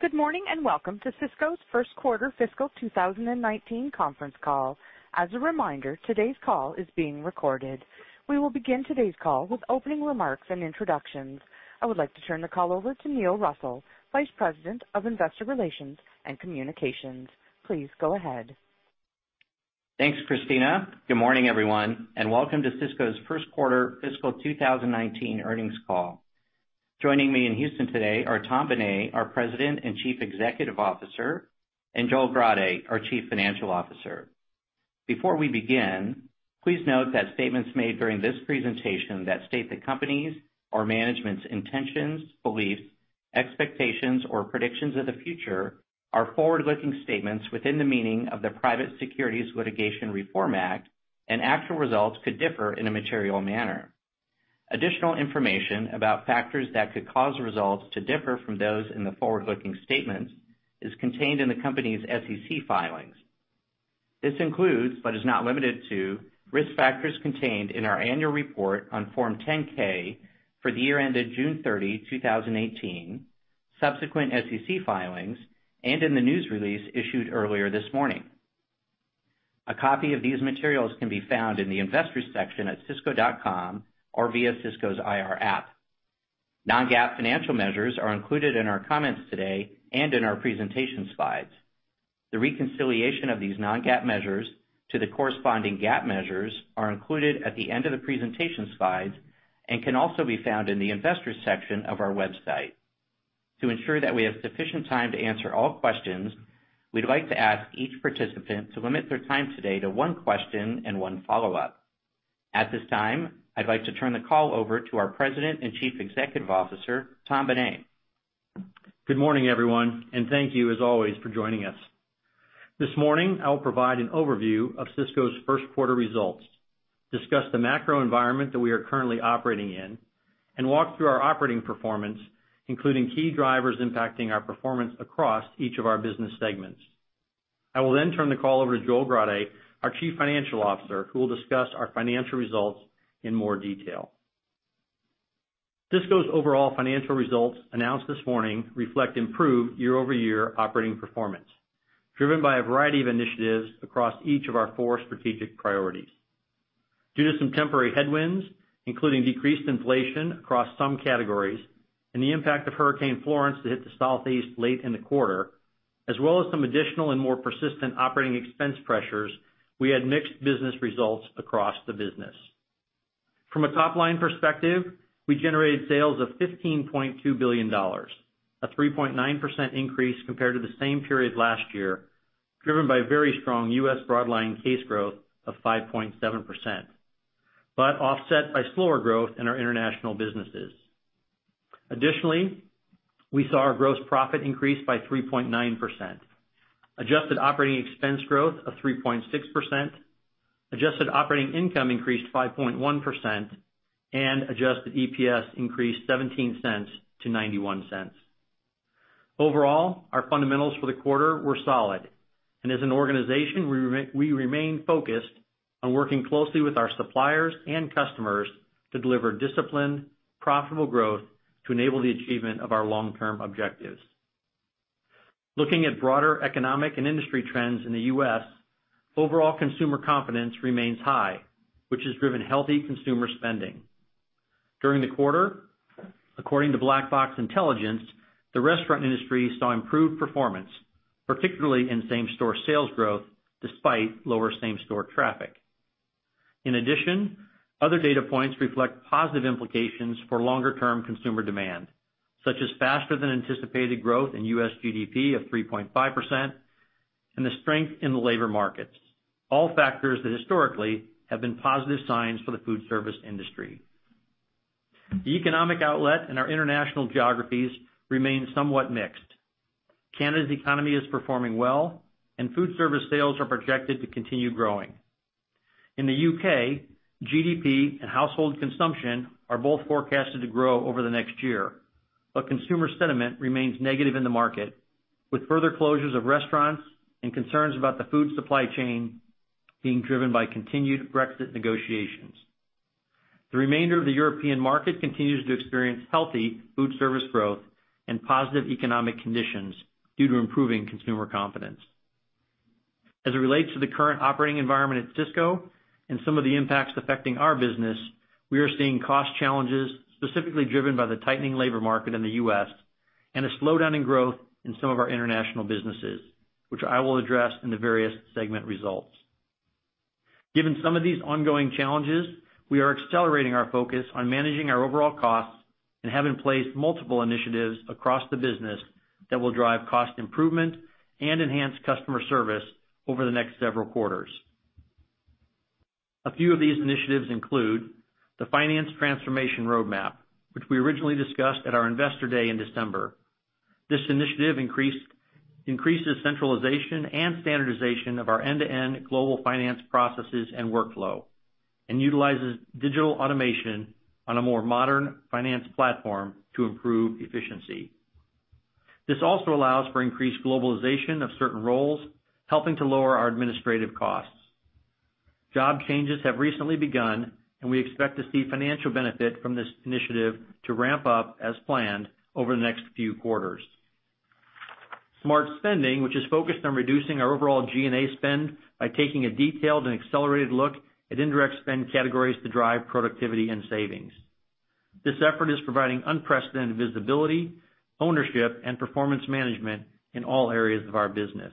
Good morning, welcome to Sysco's first quarter fiscal 2019 conference call. As a reminder, today's call is being recorded. We will begin today's call with opening remarks and introductions. I would like to turn the call over to Neil Russell, Vice President of Investor Relations and Communications. Please go ahead. Thanks, Christina. Good morning, everyone, welcome to Sysco's first quarter fiscal 2019 earnings call. Joining me in Houston today are Tom Bené, our President and Chief Executive Officer, and Joel Grade, our Chief Financial Officer. Before we begin, please note that statements made during this presentation that state the company's or management's intentions, beliefs, expectations or predictions of the future are forward-looking statements within the meaning of the Private Securities Litigation Reform Act. Actual results could differ in a material manner. Additional information about factors that could cause results to differ from those in the forward-looking statements is contained in the company's SEC filings. This includes, is not limited to, risk factors contained in our annual report on Form 10-K for the year ended June 30, 2018, subsequent SEC filings, and in the news release issued earlier this morning. A copy of these materials can be found in the Investors section at sysco.com or via Sysco's IR app. Non-GAAP financial measures are included in our comments today and in our presentation slides. The reconciliation of these non-GAAP measures to the corresponding GAAP measures are included at the end of the presentation slides and can also be found in the Investors section of our website. To ensure that we have sufficient time to answer all questions, we'd like to ask each participant to limit their time today to one question and one follow-up. At this time, I'd like to turn the call over to our President and Chief Executive Officer, Tom Bené. Good morning, everyone, thank you as always for joining us. This morning, I will provide an overview of Sysco's first quarter results, discuss the macro environment that we are currently operating in, and walk through our operating performance, including key drivers impacting our performance across each of our business segments. I will turn the call over to Joel Grade, our Chief Financial Officer, who will discuss our financial results in more detail. Sysco's overall financial results announced this morning reflect improved year-over-year operating performance, driven by a variety of initiatives across each of our four strategic priorities. Due to some temporary headwinds, including decreased inflation across some categories and the impact of Hurricane Florence that hit the southeast late in the quarter, as well as some additional and more persistent operating expense pressures, we had mixed business results across the business. From a top-line perspective, we generated sales of $15.2 billion, a 3.9% increase compared to the same period last year, driven by very strong U.S. Broadline case growth of 5.7%, but offset by slower growth in our international businesses. Additionally, we saw our gross profit increase by 3.9%, adjusted operating expense growth of 3.6%, adjusted operating income increased 5.1%, and adjusted EPS increased $0.17 to $0.91. Overall, our fundamentals for the quarter were solid, and as an organization, we remain focused on working closely with our suppliers and customers to deliver disciplined, profitable growth to enable the achievement of our long-term objectives. Looking at broader economic and industry trends in the U.S., overall consumer confidence remains high, which has driven healthy consumer spending. During the quarter, according to Black Box Intelligence, the restaurant industry saw improved performance, particularly in same-store sales growth, despite lower same-store traffic. In addition, other data points reflect positive implications for longer-term consumer demand, such as faster than anticipated growth in U.S. GDP of 3.5% and the strength in the labor markets. All factors that historically have been positive signs for the foodservice industry. The economic outlook in our international geographies remains somewhat mixed. Canada's economy is performing well, and foodservice sales are projected to continue growing. In the U.K., GDP and household consumption are both forecasted to grow over the next year, but consumer sentiment remains negative in the market, with further closures of restaurants and concerns about the food supply chain being driven by continued Brexit negotiations. The remainder of the European market continues to experience healthy foodservice growth and positive economic conditions due to improving consumer confidence. As it relates to the current operating environment at Sysco and some of the impacts affecting our business, we are seeing cost challenges, specifically driven by the tightening labor market in the U.S. and a slowdown in growth in some of our international businesses, which I will address in the various segment results. Given some of these ongoing challenges, we are accelerating our focus on managing our overall costs and have in place multiple initiatives across the business that will drive cost improvement and enhance customer service over the next several quarters. A few of these initiatives include the Finance Transformation Roadmap, which we originally discussed at our investor day in December. This initiative increases centralization and standardization of our end-to-end global finance processes and workflow and utilizes digital automation on a more modern finance platform to improve efficiency. This also allows for increased globalization of certain roles, helping to lower our administrative costs. Job changes have recently begun, and we expect to see financial benefit from this initiative to ramp up as planned over the next few quarters. Smart Spending, which is focused on reducing our overall G&A spend by taking a detailed and accelerated look at indirect spend categories to drive productivity and savings. This effort is providing unprecedented visibility, ownership, and performance management in all areas of our business.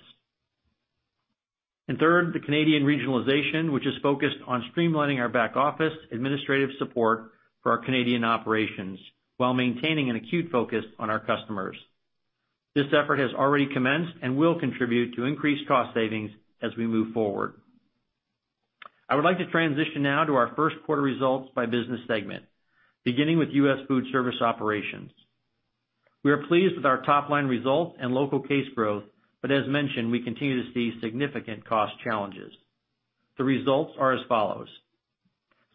Third, the Canadian Regionalization, which is focused on streamlining our back office administrative support for our Canadian operations while maintaining an acute focus on our customers. This effort has already commenced and will contribute to increased cost savings as we move forward. I would like to transition now to our first quarter results by business segment, beginning with U.S. foodservice operations. We are pleased with our top-line results and local case growth. As mentioned, we continue to see significant cost challenges. The results are as follows.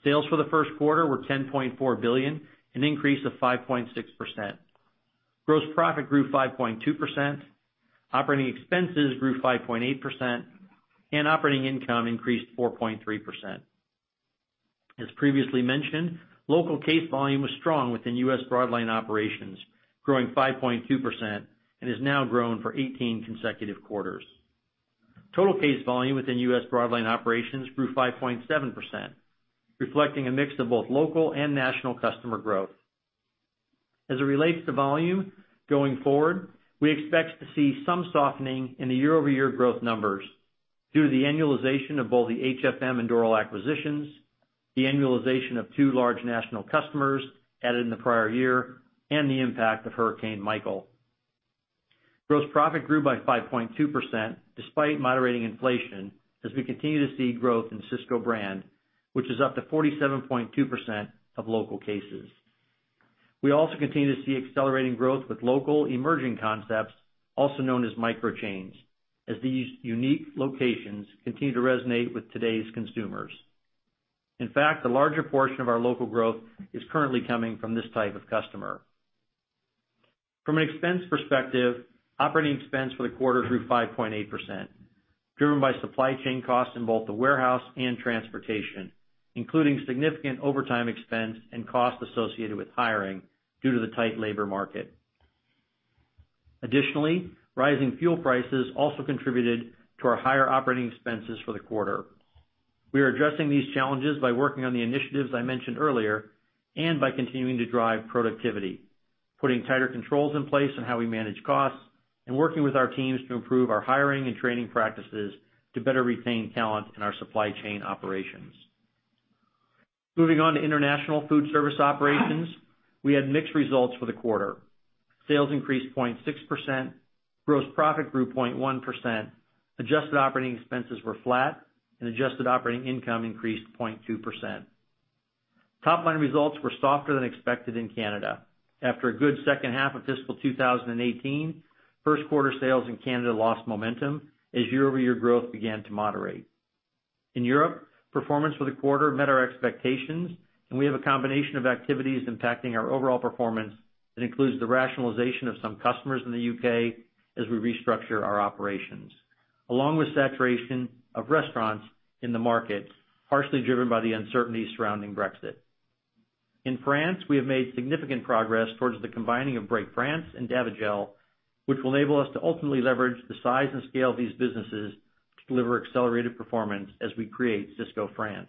Sales for the first quarter were $10.4 billion, an increase of 5.6%. Gross profit grew 5.2%, operating expenses grew 5.8%, and operating income increased 4.3%. As previously mentioned, local case volume was strong within U.S. Broadline operations, growing 5.2% and has now grown for 18 consecutive quarters. Total case volume within U.S. Broadline operations grew 5.7%, reflecting a mix of both local and national customer growth. As it relates to volume going forward, we expect to see some softening in the year-over-year growth numbers due to the annualization of both the HFM and Doerle acquisition, the annualization of two large national customers added in the prior year, and the impact of Hurricane Michael. Gross profit grew by 5.2% despite moderating inflation as we continue to see growth in Sysco Brand, which is up to 47.2% of local cases. We also continue to see accelerating growth with local emerging concepts, also known as micro chains, as these unique locations continue to resonate with today's consumers. In fact, the larger portion of our local growth is currently coming from this type of customer. From an expense perspective, operating expense for the quarter grew 5.8%, driven by supply chain costs in both the warehouse and transportation, including significant overtime expense and cost associated with hiring due to the tight labor market. Additionally, rising fuel prices also contributed to our higher operating expenses for the quarter. We are addressing these challenges by working on the initiatives I mentioned earlier by continuing to drive productivity, putting tighter controls in place on how we manage costs, and working with our teams to improve our hiring and training practices to better retain talent in our supply chain operations. Moving on to international foodservice operations. We had mixed results for the quarter. Sales increased 0.6%, gross profit grew 0.1%, adjusted operating expenses were flat, and adjusted operating income increased 0.2%. Top-line results were softer than expected in Canada. After a good second half of fiscal 2018, first quarter sales in Canada lost momentum as year-over-year growth began to moderate. In Europe, performance for the quarter met our expectations. We have a combination of activities impacting our overall performance that includes the rationalization of some customers in the U.K. as we restructure our operations, along with saturation of restaurants in the market, partially driven by the uncertainty surrounding Brexit. In France, we have made significant progress towards the combining of Brake France and Davigel, which will enable us to ultimately leverage the size and scale of these businesses to deliver accelerated performance as we create Sysco France.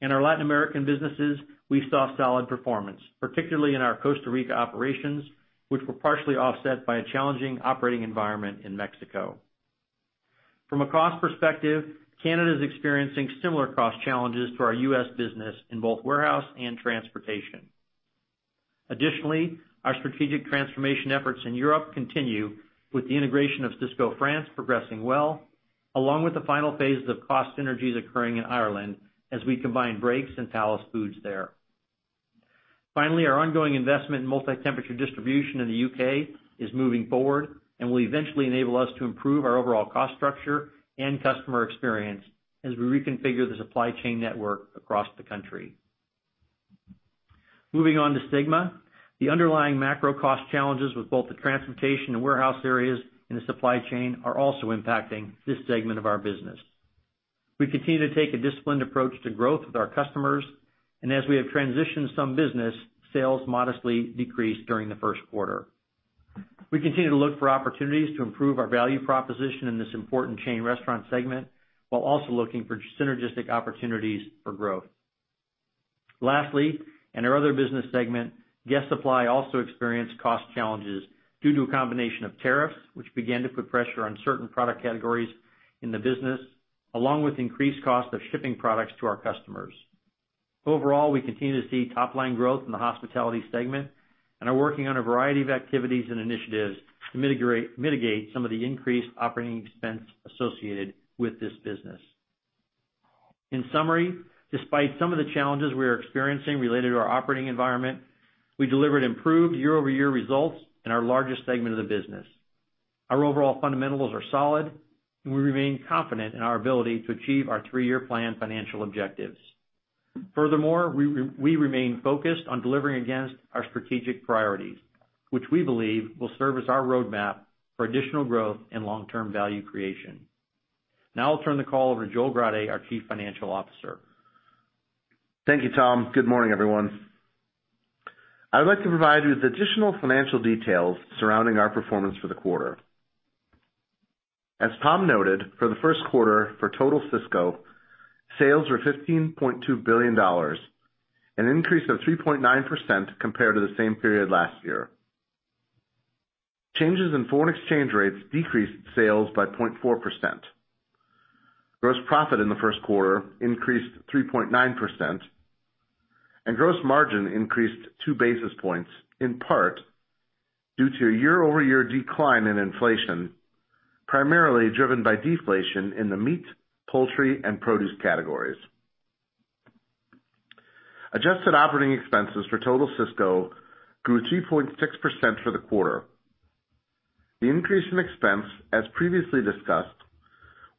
In our Latin American businesses, we saw solid performance, particularly in our Costa Rica operations, which were partially offset by a challenging operating environment in Mexico. From a cost perspective, Canada is experiencing similar cost challenges to our U.S. business in both warehouse and transportation. Additionally, our strategic transformation efforts in Europe continue with the integration of Sysco France progressing well, along with the final phases of cost synergies occurring in Ireland as we combine Brakes and Pallas Foods there. Finally, our ongoing investment in multi-temperature distribution in the U.K. is moving forward and will eventually enable us to improve our overall cost structure and customer experience as we reconfigure the supply chain network across the country. Moving on to SYGMA. The underlying macro cost challenges with both the transportation and warehouse areas in the supply chain are also impacting this segment of our business. We continue to take a disciplined approach to growth with our customers, and as we have transitioned some business, sales modestly decreased during the first quarter. We continue to look for opportunities to improve our value proposition in this important chain restaurant segment while also looking for synergistic opportunities for growth. Lastly, in our other business segment, Guest Supply also experienced cost challenges due to a combination of tariffs, which began to put pressure on certain product categories in the business, along with increased cost of shipping products to our customers. Overall, we continue to see top-line growth in the hospitality segment and are working on a variety of activities and initiatives to mitigate some of the increased operating expense associated with this business. In summary, despite some of the challenges we are experiencing related to our operating environment, we delivered improved year-over-year results in our largest segment of the business. Our overall fundamentals are solid, and we remain confident in our ability to achieve our three-year plan financial objectives. Furthermore, we remain focused on delivering against our strategic priorities, which we believe will serve as our roadmap for additional growth and long-term value creation. Now I'll turn the call over to Joel Grade, our Chief Financial Officer. Thank you, Tom. Good morning, everyone. I'd like to provide you with additional financial details surrounding our performance for the quarter. As Tom noted, for the first quarter for total Sysco, sales were $15.2 billion, an increase of 3.9% compared to the same period last year. Changes in foreign exchange rates decreased sales by 0.4%. Gross profit in the first quarter increased 3.9%, and gross margin increased two basis points, in part due to a year-over-year decline in inflation, primarily driven by deflation in the meat, poultry and produce categories. Adjusted operating expenses for total Sysco grew 2.6% for the quarter. The increase in expense, as previously discussed,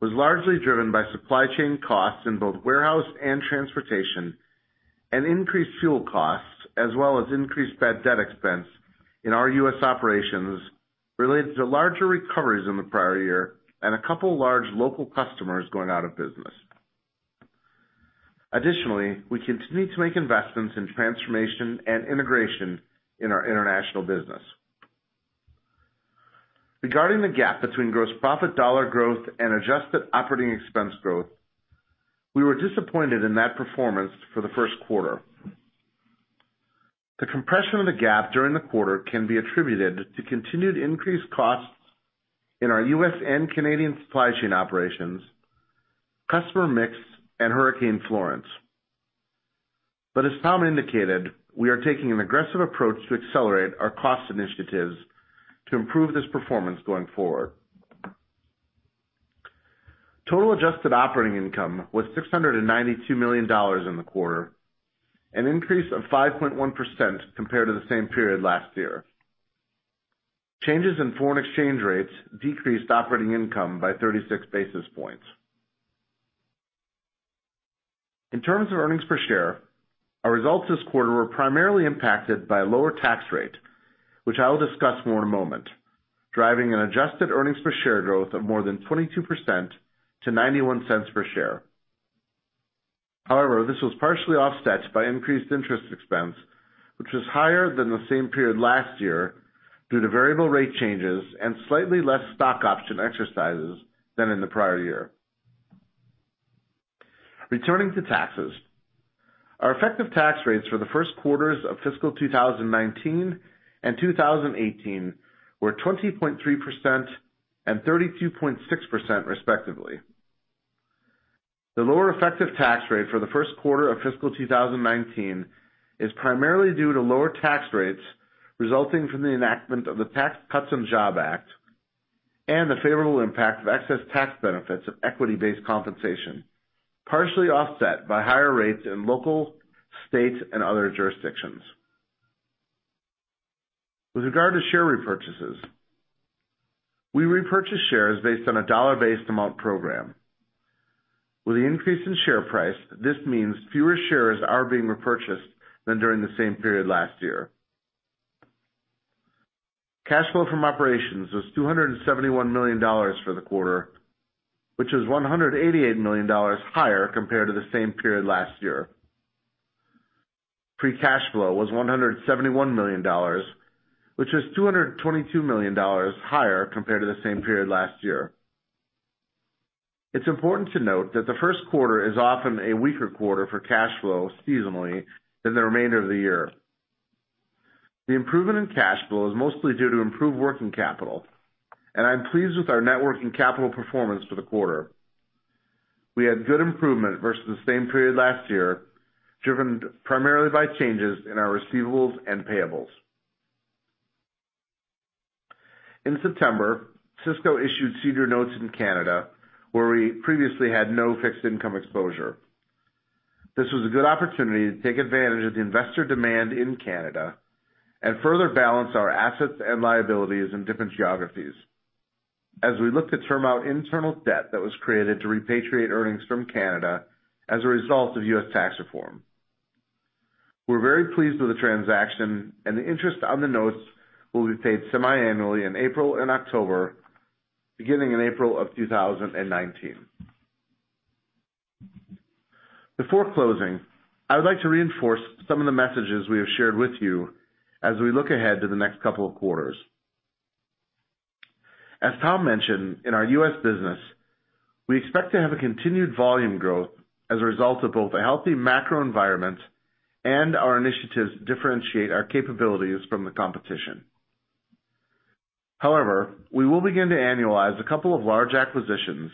was largely driven by supply chain costs in both warehouse and transportation, and increased fuel costs, as well as increased bad debt expense in our U.S. operations related to larger recoveries in the prior year and a couple large local customers going out of business. Additionally, we continue to make investments in transformation and integration in our international business. Regarding the gap between gross profit dollar growth and adjusted operating expense growth, we were disappointed in that performance for the first quarter. The compression of the gap during the quarter can be attributed to continued increased costs in our U.S. and Canadian supply chain operations, customer mix, and Hurricane Florence. As Tom indicated, we are taking an aggressive approach to accelerate our cost initiatives to improve this performance going forward. Total adjusted operating income was $692 million in the quarter, an increase of 5.1% compared to the same period last year. Changes in foreign exchange rates decreased operating income by 36 basis points. In terms of earnings per share, our results this quarter were primarily impacted by a lower tax rate, which I will discuss more in a moment, driving an adjusted earnings per share growth of more than 22% to $0.91 per share. However, this was partially offset by increased interest expense, which was higher than the same period last year due to variable rate changes and slightly less stock option exercises than in the prior year. Returning to taxes, our effective tax rates for the first quarters of fiscal 2019 and 2018 were 20.3% and 32.6%, respectively. The lower effective tax rate for the first quarter of fiscal 2019 is primarily due to lower tax rates resulting from the enactment of the Tax Cuts and Jobs Act and the favorable impact of excess tax benefits of equity-based compensation, partially offset by higher rates in local, state, and other jurisdictions. With regard to share repurchases, we repurchase shares based on a dollar-based amount program. With the increase in share price, this means fewer shares are being repurchased than during the same period last year. Cash flow from operations was $271 million for the quarter, which is $188 million higher compared to the same period last year. Free cash flow was $171 million, which was $222 million higher compared to the same period last year. It's important to note that the first quarter is often a weaker quarter for cash flow seasonally than the remainder of the year. The improvement in cash flow is mostly due to improved working capital, and I'm pleased with our net working capital performance for the quarter. We had good improvement versus the same period last year, driven primarily by changes in our receivables and payables. In September, Sysco issued senior notes in Canada, where we previously had no fixed income exposure. This was a good opportunity to take advantage of the investor demand in Canada and further balance our assets and liabilities in different geographies as we look to term out internal debt that was created to repatriate earnings from Canada as a result of U.S. tax reform. We're very pleased with the transaction and the interest on the notes will be paid semiannually in April and October, beginning in April of 2019. Before closing, I would like to reinforce some of the messages we have shared with you as we look ahead to the next couple of quarters. As Tom mentioned, in our U.S. business, we expect to have a continued volume growth as a result of both a healthy macro environment and our initiatives differentiate our capabilities from the competition. However, we will begin to annualize a couple of large acquisitions.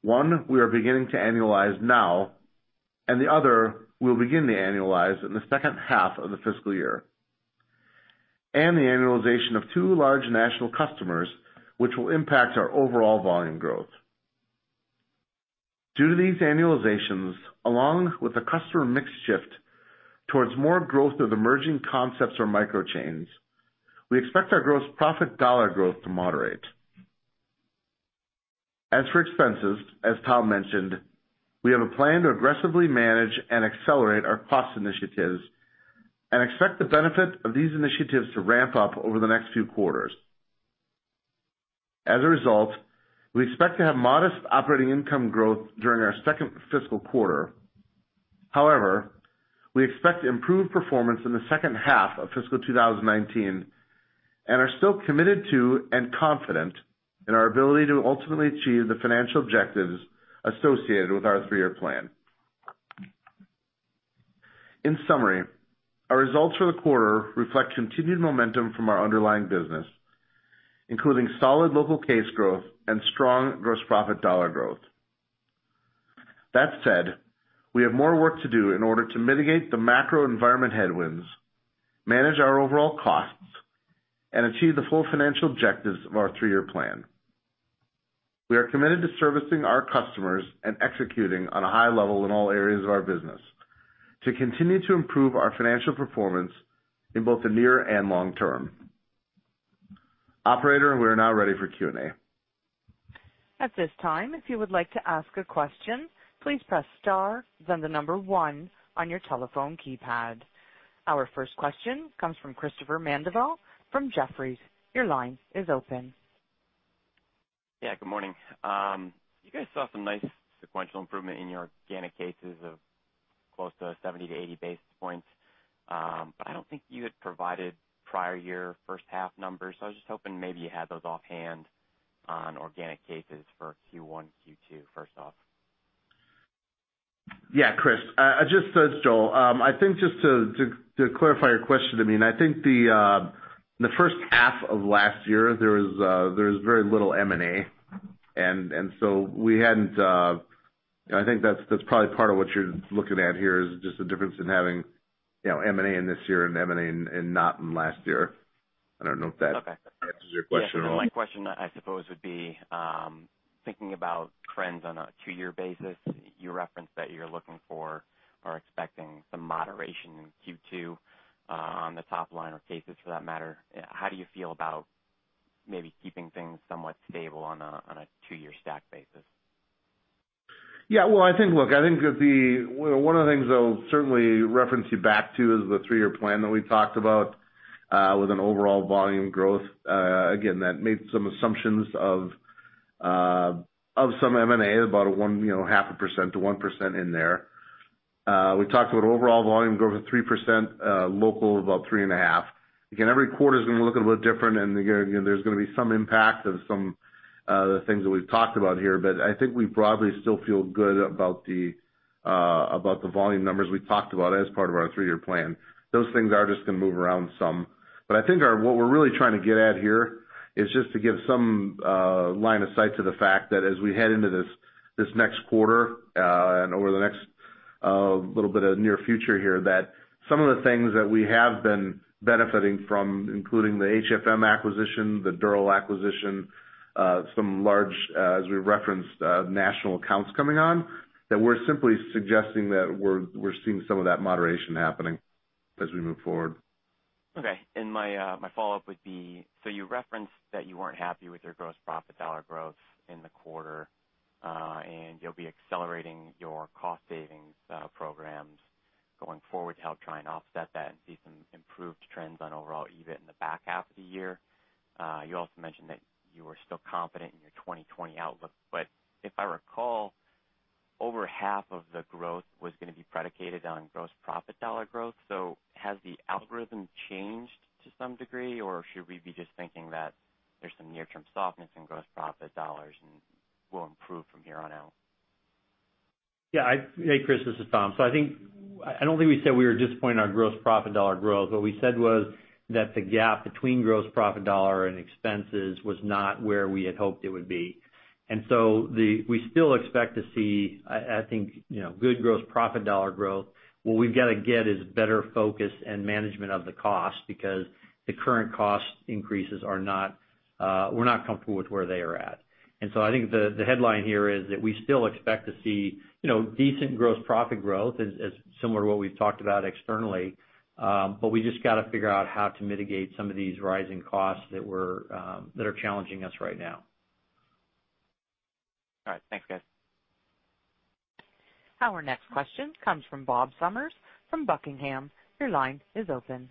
One, we are beginning to annualize now, and the other we will begin to annualize in the second half of the fiscal year. The annualization of two large national customers, which will impact our overall volume growth. Due to these annualizations, along with a customer mix shift towards more growth of emerging concepts or micro chains, we expect our gross profit dollar growth to moderate. As for expenses, as Tom mentioned, we have a plan to aggressively manage and accelerate our cost initiatives and expect the benefit of these initiatives to ramp up over the next few quarters. As a result, we expect to have modest operating income growth during our second fiscal quarter. However, we expect improved performance in the second half of fiscal 2019 and are still committed to and confident in our ability to ultimately achieve the financial objectives associated with our three-year plan. In summary, our results for the quarter reflect continued momentum from our underlying business, including solid local case growth and strong gross profit dollar growth. That said, we have more work to do in order to mitigate the macro environment headwinds, manage our overall costs, and achieve the full financial objectives of our three-year plan. We are committed to servicing our customers and executing on a high level in all areas of our business to continue to improve our financial performance in both the near and long term. Operator, we are now ready for Q&A. At this time, if you would like to ask a question, please press star then the number one on your telephone keypad. Our first question comes from Christopher Mandeville from Jefferies. Your line is open. Good morning. You guys saw some nice sequential improvement in your organic cases of close to 70-80 basis points. I don't think you had provided prior year first half numbers. I was just hoping maybe you had those offhand on organic cases for Q1, Q2, first off. Chris. It's Joel. I think just to clarify your question, I think in the first half of last year, there was very little M&A. I think that's probably part of what you're looking at here is just the difference in having, M&A in this year and M&A and not in last year. Okay That answers your question at all. My question I suppose would be, thinking about trends on a two-year basis, you referenced that you're looking for or expecting some moderation in Q2 on the top line of cases for that matter. How do you feel about maybe keeping things somewhat stable on a two-year stack basis? One of the things that I'll certainly reference you back to is the three-year plan that we talked about, with an overall volume growth. Again, that made some assumptions of some M&A, about 0.5% to 1% in there. We talked about overall volume growth of 3%, local about 3.5%. Again, every quarter is going to look a little different, and again, there's going to be some impact of some of the things that we've talked about here. I think we broadly still feel good about the volume numbers we talked about as part of our three-year plan. Those things are just going to move around some. I think what we're really trying to get at here is just to give some line of sight to the fact that as we head into this next quarter, and over the next little bit of near future here, that some of the things that we have been benefiting from, including the HFM acquisition, the Doerle acquisition, some large, as we referenced, national accounts coming on, that we're simply suggesting that we're seeing some of that moderation happening as we move forward. My follow-up would be, you referenced that you weren't happy with your gross profit dollar growth in the quarter, and you'll be accelerating your cost savings programs going forward to help try and offset that and see some improved trends on overall EBIT in the back half of the year. You also mentioned that you were still confident in your 2020 outlook. If I recall, over half of the growth was going to be predicated on gross profit dollar growth. Has the algorithm changed to some degree, or should we be just thinking that there's some near-term softness in gross profit dollars and will improve from here on out? Hey, Chris, this is Tom. I don't think we said we were disappointed in our gross profit dollar growth. What we said was that the gap between gross profit dollar and expenses was not where we had hoped it would be. We still expect to see, I think, good gross profit dollar growth. What we've got to get is better focus and management of the cost because the current cost increases, we're not comfortable with where they are at. I think the headline here is that we still expect to see decent gross profit growth as similar to what we've talked about externally. We just got to figure out how to mitigate some of these rising costs that are challenging us right now. All right. Thanks, guys. Our next question comes from Bob Summers from Buckingham. Your line is open.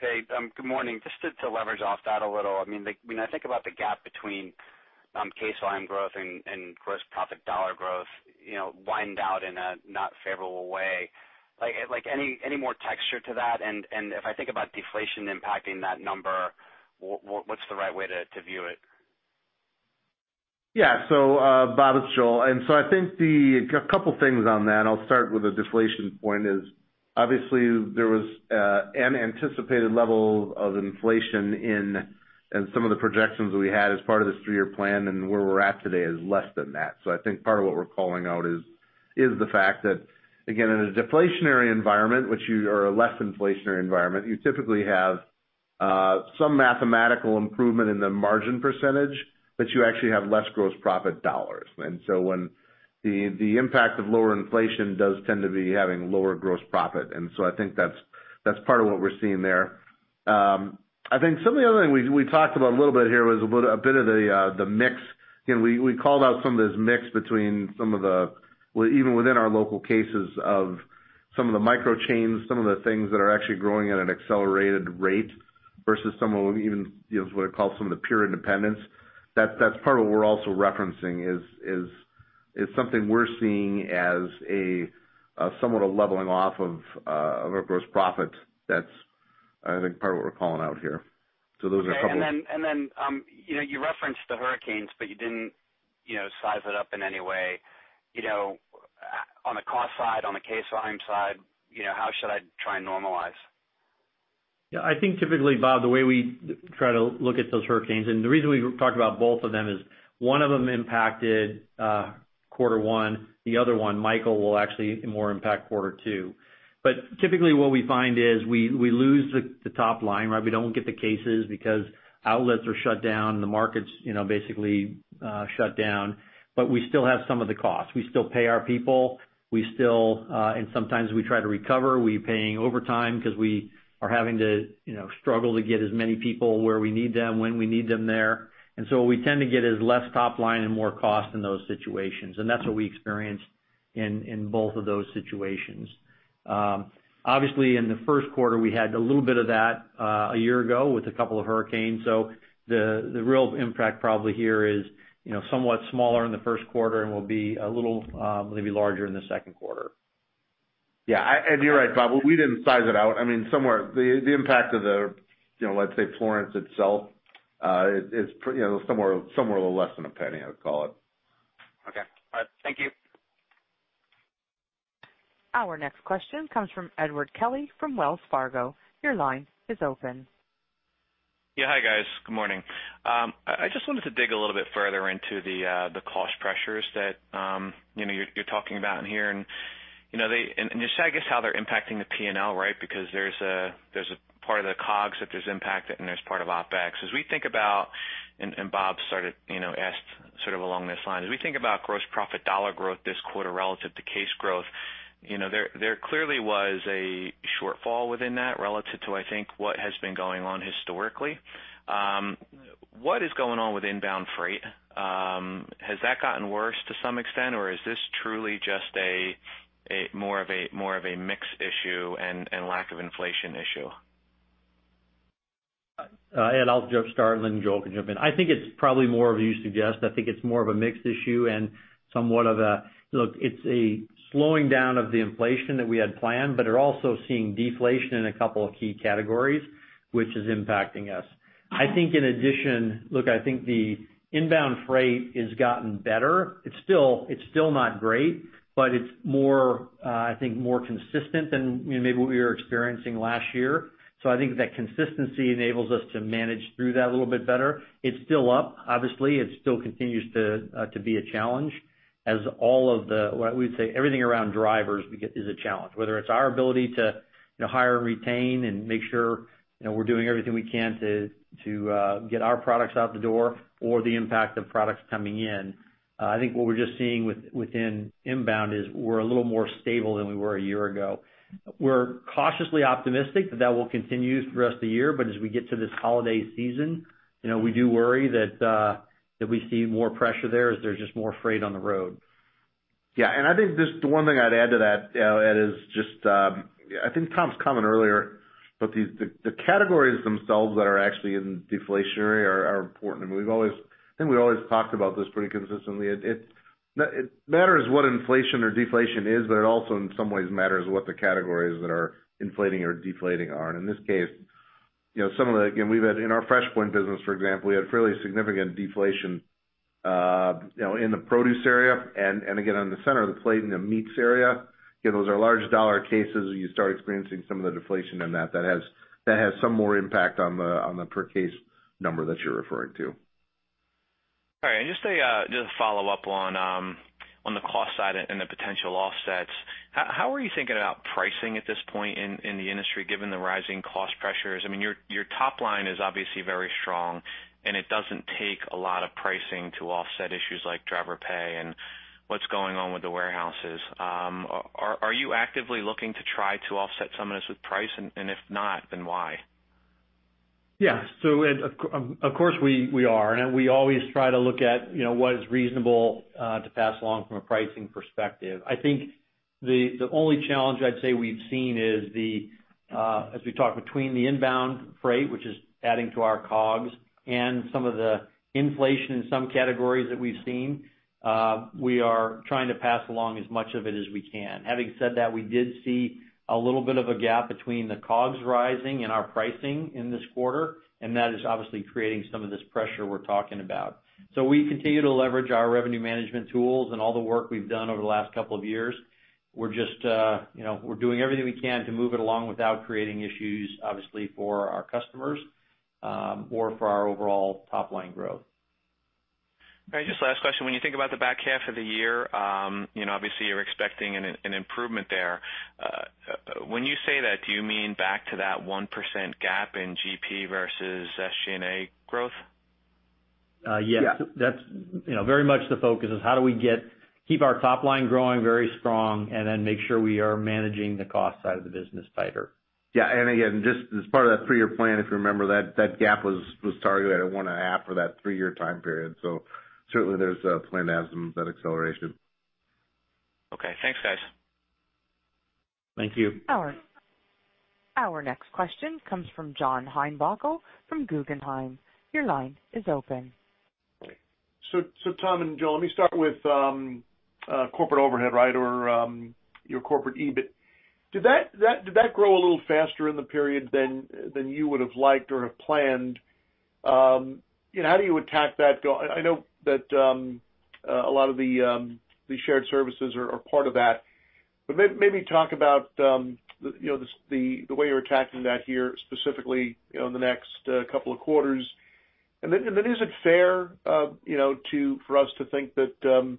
Hey, good morning. Just to leverage off that a little. When I think about the gap between case line growth and gross profit dollar growth wind out in a not favorable way, any more texture to that? If I think about deflation impacting that number, what's the right way to view it? Yeah. Bob, it's Joel. I think a couple of things on that, I'll start with the deflation point is obviously there was an anticipated level of inflation in some of the projections that we had as part of this three-year plan, and where we're at today is less than that. I think part of what we're calling out is the fact that, again, in a deflationary environment, or a less inflationary environment, you typically have some mathematical improvement in the margin percentage, but you actually have less gross profit dollars. When the impact of lower inflation does tend to be having lower gross profit. I think that's part of what we're seeing there. I think some of the other things we talked about a little bit here was a bit of the mix. We called out some of this mix between some of the, even within our local cases of some of the micro chains, some of the things that are actually growing at an accelerated rate versus some of even, what I call some of the pure independents. That's part of what we're also referencing is something we're seeing as somewhat of a leveling off of our gross profit. That's, I think, part of what we're calling out here. Those are a couple. Okay. You referenced the hurricanes, but you didn't size it up in any way, on the cost side, on the case volume side, how should I try and normalize? Yeah. I think typically, Bob, the way we try to look at those hurricanes, the reason we've talked about both of them is one of them impacted quarter one, the other one, Michael, will actually more impact quarter two. Typically what we find is we lose the top line. We don't get the cases because outlets are shut down, the market's basically shut down. We still have some of the costs. We still pay our people. Sometimes we try to recover. We're paying overtime because we are having to struggle to get as many people where we need them, when we need them there. We tend to get less top line and more cost in those situations. That's what we experienced in both of those situations. Obviously, in the first quarter, we had a little bit of that a year ago with a couple of hurricanes. The real impact probably here is somewhat smaller in the first quarter and will be a little, maybe larger in the second quarter. Yeah. You're right, Bob, we didn't size it out. The impact of the, let's say Hurricane Florence itself, is somewhere a little less than $0.01, I would call it. Okay. All right. Thank you. Our next question comes from Edward Kelly from Wells Fargo. Your line is open. Yeah. Hi, guys. Good morning. I just wanted to dig a little bit further into the cost pressures that you're talking about in here, and just, I guess, how they're impacting the P&L, right? Because there's a part of the COGS that there's impact and there's part of OpEx. As we think about, and Bob asked sort of along this line. As we think about gross profit dollar growth this quarter relative to case growth, there clearly was a shortfall within that relative to, I think, what has been going on historically. What is going on with inbound freight? Has that gotten worse to some extent, or is this truly just more of a mix issue and lack of inflation issue? Ed, I'll jump start and then Joel can jump in. I think it's probably more of what you suggest. I think it's more of a mix issue and somewhat of a look, it's a slowing down of the inflation that we had planned, but they're also seeing deflation in a couple of key categories, which is impacting us. I think in addition, look, I think the inbound freight has gotten better. It's still not great, but it's more, I think more consistent than maybe what we were experiencing last year. I think that consistency enables us to manage through that a little bit better. It's still up. Obviously, it still continues to be a challenge as all of the well, I would say everything around drivers is a challenge, whether it's our ability to hire, retain, and make sure we're doing everything we can to get our products out the door or the impact of products coming in. I think what we're just seeing within inbound is we're a little more stable than we were a year ago. We're cautiously optimistic that that will continue through the rest of the year, but as we get to this holiday season, we do worry that we see more pressure there as there's just more freight on the road. I think just one thing I'd add to that, Ed, is just, I think Tom's comment earlier, but the categories themselves that are actually in deflationary are important. I think we always talked about this pretty consistently. It matters what inflation or deflation is, but it also in some ways matters what the categories that are inflating or deflating are. In this case, in our FreshPoint business, for example, we had fairly significant deflation in the produce area and again, on the center of the plate in the meats area. Those are large dollar cases. You start experiencing some of the deflation in that. That has some more impact on the per case number that you're referring to. All right. Just a follow-up on the cost side and the potential offsets. How are you thinking about pricing at this point in the industry, given the rising cost pressures? Your top line is obviously very strong, and it doesn't take a lot of pricing to offset issues like driver pay and what's going on with the warehouses. Are you actively looking to try to offset some of this with price, if not, then why? Yeah. Of course, we are, and we always try to look at what is reasonable to pass along from a pricing perspective. I think the only challenge I'd say we've seen is the, as we talk between the inbound freight, which is adding to our COGS, and some of the inflation in some categories that we've seen. We are trying to pass along as much of it as we can. Having said that, we did see a little bit of a gap between the COGS rising and our pricing in this quarter, and that is obviously creating some of this pressure we're talking about. We continue to leverage our revenue management tools and all the work we've done over the last couple of years. We're doing everything we can to move it along without creating issues, obviously, for our customers, or for our overall top-line growth. All right, just last question. When you think about the back half of the year, obviously you're expecting an improvement there. When you say that, do you mean back to that 1% gap in GP versus SG&A growth? Yes. That's very much the focus is how do we keep our top line growing very strong and then make sure we are managing the cost side of the business tighter? Yeah. Again, just as part of that three-year plan, if you remember that gap was targeted at one and a half for that three-year time period. Certainly there's a plan to have some of that acceleration. Okay. Thanks, guys. Thank you. Our next question comes from John Heinbockel from Guggenheim. Your line is open. Tom and Joel, let me start with corporate overhead or your corporate EBIT. Did that grow a little faster in the period than you would have liked or have planned? How do you attack that? I know that a lot of the shared services are part of that. Maybe talk about the way you're attacking that here specifically in the next couple of quarters. Is it fair for us to think that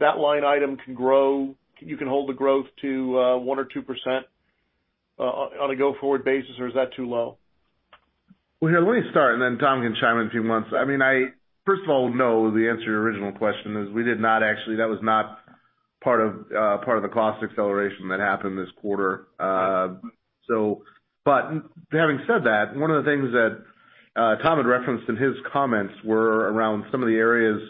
that line item can grow, you can hold the growth to 1% or 2% on a go-forward basis, or is that too low? Well, here, let me start. Then Tom can chime in a few months. First of all, no, the answer to your original question is we did not actually. That was not part of the cost acceleration that happened this quarter. Having said that, one of the things that Tom had referenced in his comments were around some of the areas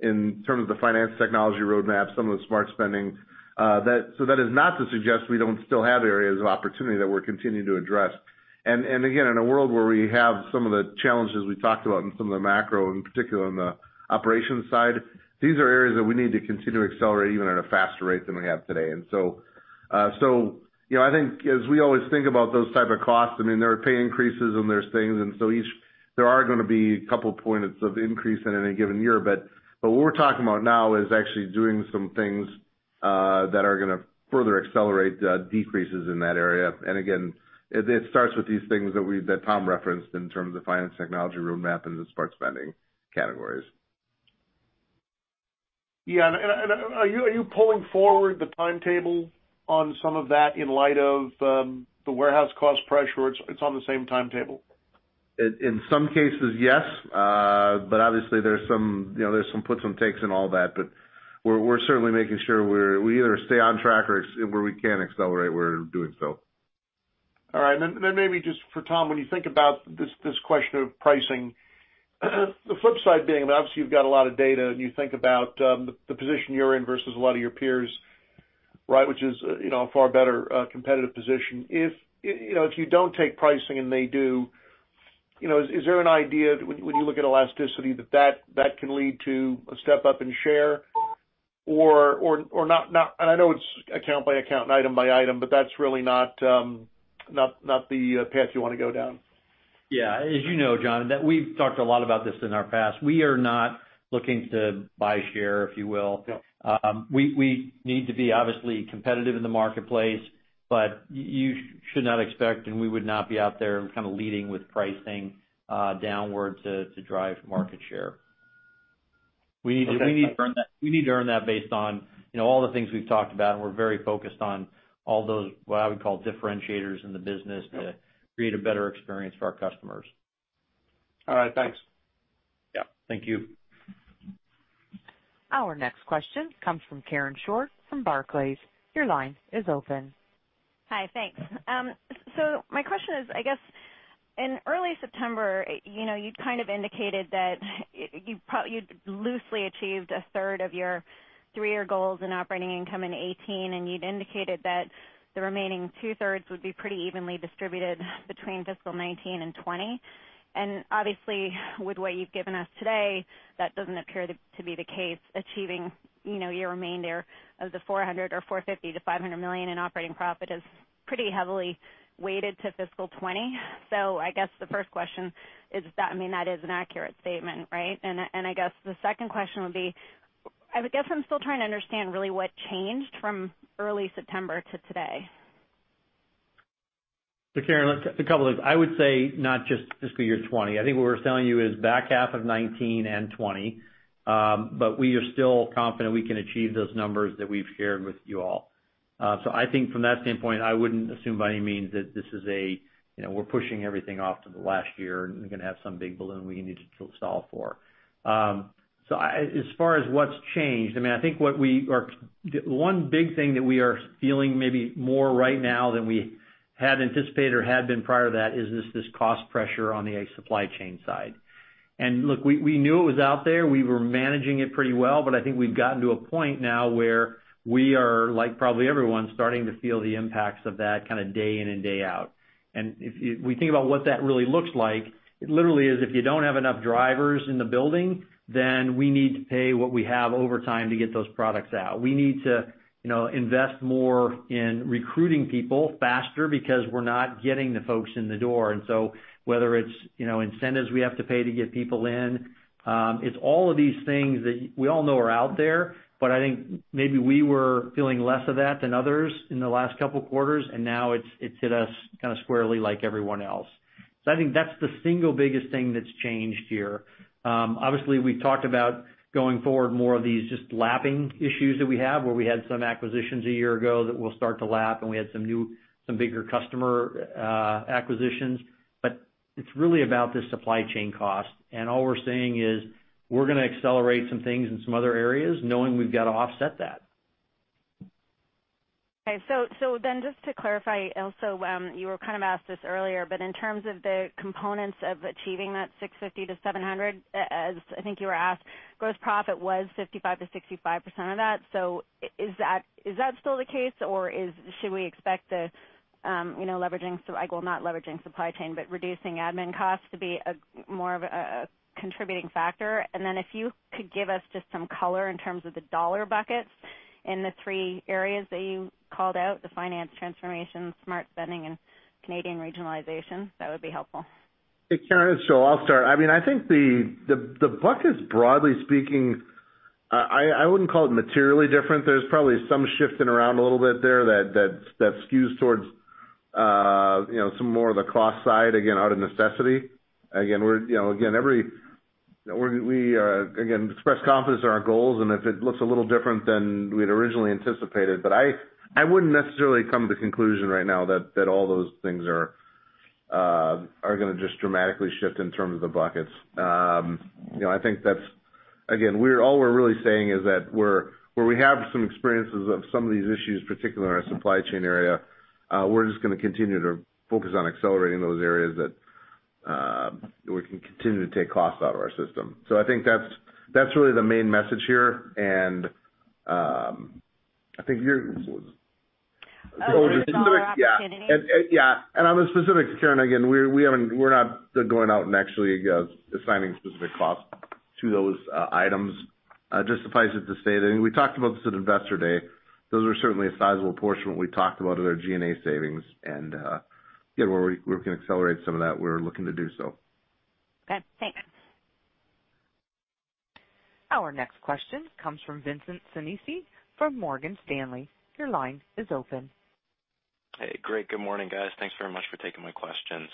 in terms of the finance technology roadmap, some of the smart spending. That is not to suggest we don't still have areas of opportunity that we're continuing to address. Again, in a world where we have some of the challenges we talked about and some of the macro, in particular on the operations side, these are areas that we need to continue to accelerate even at a faster rate than we have today. I think as we always think about those type of costs, there are pay increases and there's things. So there are going to be a couple points of increase in any given year. What we're talking about now is actually doing some things that are going to further accelerate decreases in that area. Again, it starts with these things that Tom referenced in terms of finance technology roadmap and the smart spending categories. Yeah. Are you pulling forward the timetable on some of that in light of the warehouse cost pressure, or it's on the same timetable? In some cases, yes. Obviously there's some puts and takes in all that. We're certainly making sure we either stay on track or where we can accelerate, we're doing so. All right. Maybe just for Tom, when you think about this question of pricing, the flip side being, obviously you've got a lot of data and you think about the position you're in versus a lot of your peers which is a far better competitive position. If you don't take pricing and they do, is there an idea when you look at elasticity that can lead to a step up in share? I know it's account by account and item by item, but that's really not the path you want to go down. Yeah. As you know, John, we've talked a lot about this in our past. We are not looking to buy share, if you will. Yeah. We need to be obviously competitive in the marketplace, you should not expect and we would not be out there and kind of leading with pricing downward to drive market share. Okay. We need to earn that based on all the things we've talked about and we're very focused on all those, what I would call differentiators in the business to create a better experience for our customers. All right. Thanks. Yeah. Thank you. Our next question comes from Karen Short from Barclays. Your line is open. My question is, I guess in early September, you kind of indicated that you'd loosely achieved a third of your 3-year goals in operating income in 2018 and you'd indicated that the remaining two-thirds would be pretty evenly distributed between fiscal 2019 and 2020. Obviously with what you've given us today, that doesn't appear to be the case. Achieving your remainder of the $400 million or $450 million-$500 million in operating profit is pretty heavily weighted to fiscal 2020. I guess the first question is that, I mean that is an accurate statement, right? I guess the second question would be, I guess I'm still trying to understand really what changed from early September to today. Karen, a couple of things. I would say not just fiscal year 2020. I think what we're telling you is back half of 2019 and 2020. We are still confident we can achieve those numbers that we've shared with you all. I think from that standpoint, I wouldn't assume by any means that we're pushing everything off to the last year and we're going to have some big balloon we need to solve for. As far as what's changed, one big thing that we are feeling maybe more right now than we had anticipated or had been prior to that is this cost pressure on the supply chain side. Look, we knew it was out there. We were managing it pretty well. I think we've gotten to a point now where we are, like probably everyone, starting to feel the impacts of that kind of day in and day out. If we think about what that really looks like, it literally is if you don't have enough drivers in the building, then we need to pay what we have over time to get those products out. We need to invest more in recruiting people faster because we're not getting the folks in the door. Whether it's incentives we have to pay to get people in, it's all of these things that we all know are out there, but I think maybe we were feeling less of that than others in the last couple quarters and now it's hit us kind of squarely like everyone else. I think that's the single biggest thing that's changed here. Obviously we've talked about going forward more of these just lapping issues that we have where we had some acquisitions a year ago that will start to lap and we had some bigger customer acquisitions. It's really about the supply chain cost and all we're saying is we're going to accelerate some things in some other areas knowing we've got to offset that. Okay. Just to clarify, also, you were kind of asked this earlier, in terms of the components of achieving that $650-$700, as I think you were asked, gross profit was 55%-65% of that. Is that still the case, or should we expect the, well, not leveraging supply chain, but reducing admin costs to be more of a contributing factor? If you could give us just some color in terms of the dollar buckets in the three areas that you called out, the finance transformation, smart spending, and Canadian regionalization, that would be helpful. Hey, Karen, it's Joel. I'll start. I think the buckets, broadly speaking, I wouldn't call it materially different. There's probably some shifting around a little bit there that skews towards some more of the cost side, again, out of necessity. Again, we express confidence in our goals and if it looks a little different than we'd originally anticipated, but I wouldn't necessarily come to the conclusion right now that all those things are going to just dramatically shift in terms of the buckets. Again, all we're really saying is that where we have some experiences of some of these issues, particularly in our supply chain area, we're just going to continue to focus on accelerating those areas that we can continue to take costs out of our system. I think that's really the main message here. Other cost opportunities? Yeah. On the specifics, Karen, again, we're not going out and actually assigning specific costs to those items. Just suffice it to say, I think we talked about this at Investor Day. Those are certainly a sizable portion of what we talked about of their G&A savings. Again, where we can accelerate some of that, we're looking to do so. Okay, thanks. Our next question comes from Vincent Sinisi from Morgan Stanley. Your line is open. Hey, great. Good morning, guys. Thanks very much for taking my questions.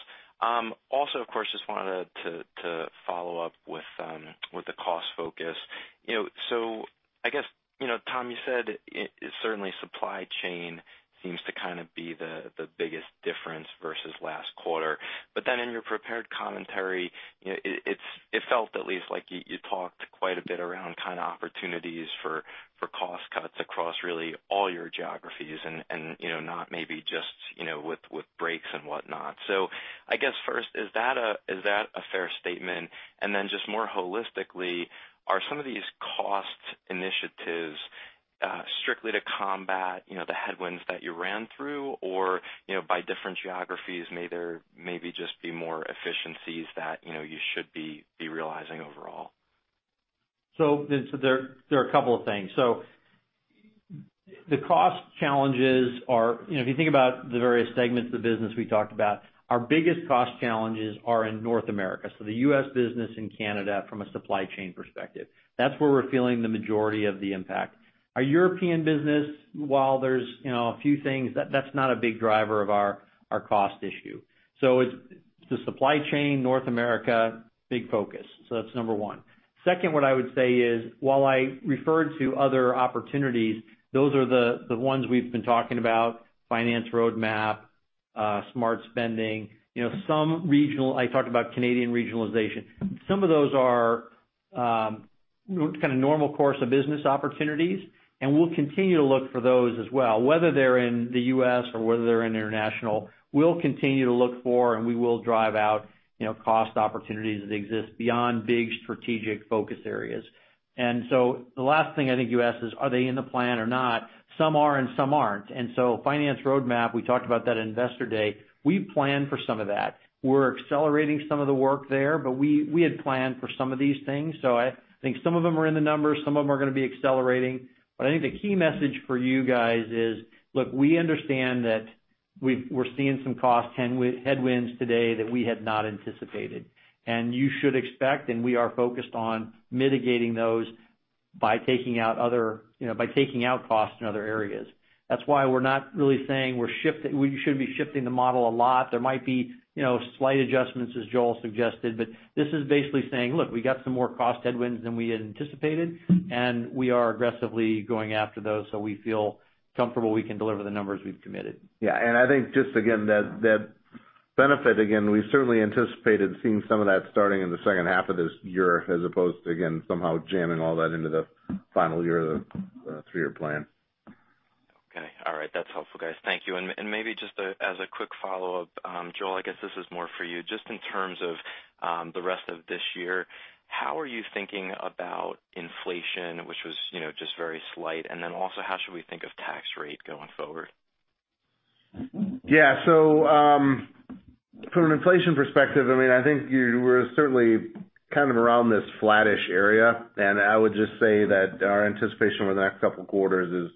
Of course, just wanted to follow up with the cost focus. I guess, Tom, you said certainly supply chain seems to kind of be the biggest difference versus last quarter. In your prepared commentary, it felt at least like you talked quite a bit around opportunities for cost cuts across really all your geographies and not maybe just with Brakes and whatnot. I guess first, is that a fair statement? Then just more holistically, are some of these cost initiatives strictly to combat the headwinds that you ran through, or by different geographies, may there maybe just be more efficiencies that you should be realizing overall? There are a couple of things. The cost challenges are if you think about the various segments of the business we talked about, our biggest cost challenges are in North America. The U.S. business and Canada from a supply chain perspective. That's where we're feeling the majority of the impact. Our European business, while there's a few things, that's not a big driver of our cost issue. It's the supply chain, North America, big focus. That's number one. Second, what I would say is, while I referred to other opportunities, those are the ones we've been talking about, finance roadmap, smart spending. I talked about Canadian regionalization. Some of those are kind of normal course of business opportunities, and we'll continue to look for those as well. Whether they're in the U.S. or whether they're in international, we'll continue to look for and we will drive out cost opportunities that exist beyond big strategic focus areas. The last thing I think you asked is, are they in the plan or not? Some are and some aren't. Finance roadmap, we talked about that at Investor Day. We plan for some of that. We're accelerating some of the work there, but we had planned for some of these things. I think some of them are in the numbers, some of them are going to be accelerating. I think the key message for you guys is, look, we understand that we're seeing some cost headwinds today that we had not anticipated. You should expect, and we are focused on mitigating those by taking out costs in other areas. That's why we're not really saying we should be shifting the model a lot. There might be slight adjustments, as Joel suggested, but this is basically saying, look, we got some more cost headwinds than we had anticipated, and we are aggressively going after those, so we feel comfortable we can deliver the numbers we've committed. Yeah. I think just again, that benefit, again, we certainly anticipated seeing some of that starting in the second half of this year, as opposed to, again, somehow jamming all that into the final year of the three-year plan. Okay. All right. That's helpful, guys. Thank you. Maybe just as a quick follow-up, Joel, I guess this is more for you. Just in terms of the rest of this year, how are you thinking about inflation, which was just very slight? And then also, how should we think of tax rate going forward? Yeah. From an inflation perspective, I think we're certainly kind of around this flattish area, and I would just say that our anticipation over the next couple of quarters is,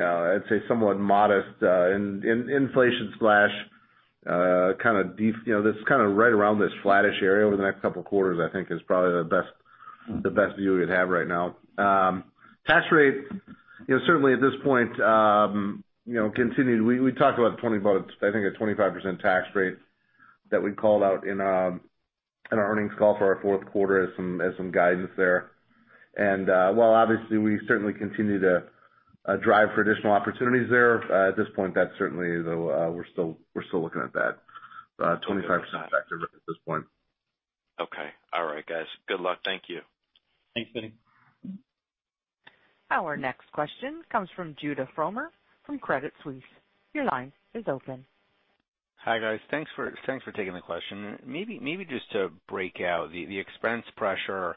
I'd say somewhat modest. That's kind of right around this flattish area over the next couple of quarters, I think is probably the best view we could have right now. Tax rate, certainly at this point, continued. We talked about, I think, a 25% tax rate that we called out in our earnings call for our fourth quarter as some guidance there. While obviously we certainly continue to drive for additional opportunities there, at this point, we're still looking at that 25% tax rate at this point. Okay. All right, guys. Good luck. Thank you. Thanks, Vinnie. Our next question comes from Judah Fromer from Credit Suisse. Your line is open. Hi, guys. Thanks for taking the question. Maybe just to break out the expense pressure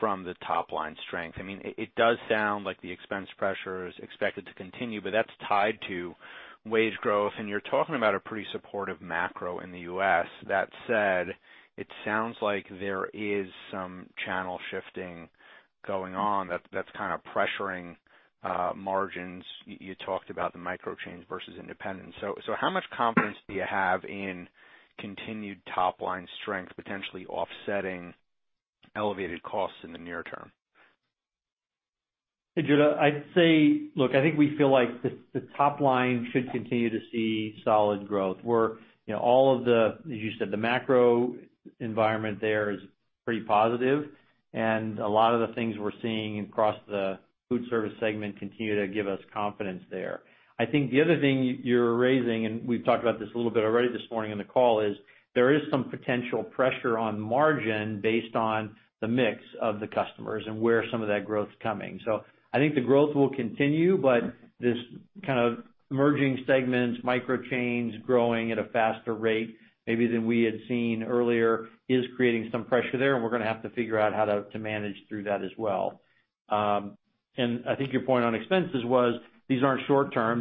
from the top-line strength. It does sound like the expense pressure is expected to continue, but that's tied to wage growth, and you're talking about a pretty supportive macro in the U.S. That said, it sounds like there is some channel shifting going on that's kind of pressuring margins. You talked about the micro chains versus independent. How much confidence do you have in continued top-line strength potentially offsetting elevated costs in the near term? Hey, Judah, I'd say, look, I think we feel like the top line should continue to see solid growth. As you said, the macro environment there is pretty positive, and a lot of the things we're seeing across the food service segment continue to give us confidence there. I think the other thing you're raising, and we've talked about this a little bit already this morning on the call, is there is some potential pressure on margin based on the mix of the customers and where some of that growth's coming. I think the growth will continue, but this kind of merging segments, micro chains growing at a faster rate maybe than we had seen earlier, is creating some pressure there, and we're going to have to figure out how to manage through that as well. I think your point on expenses was, these aren't short-term.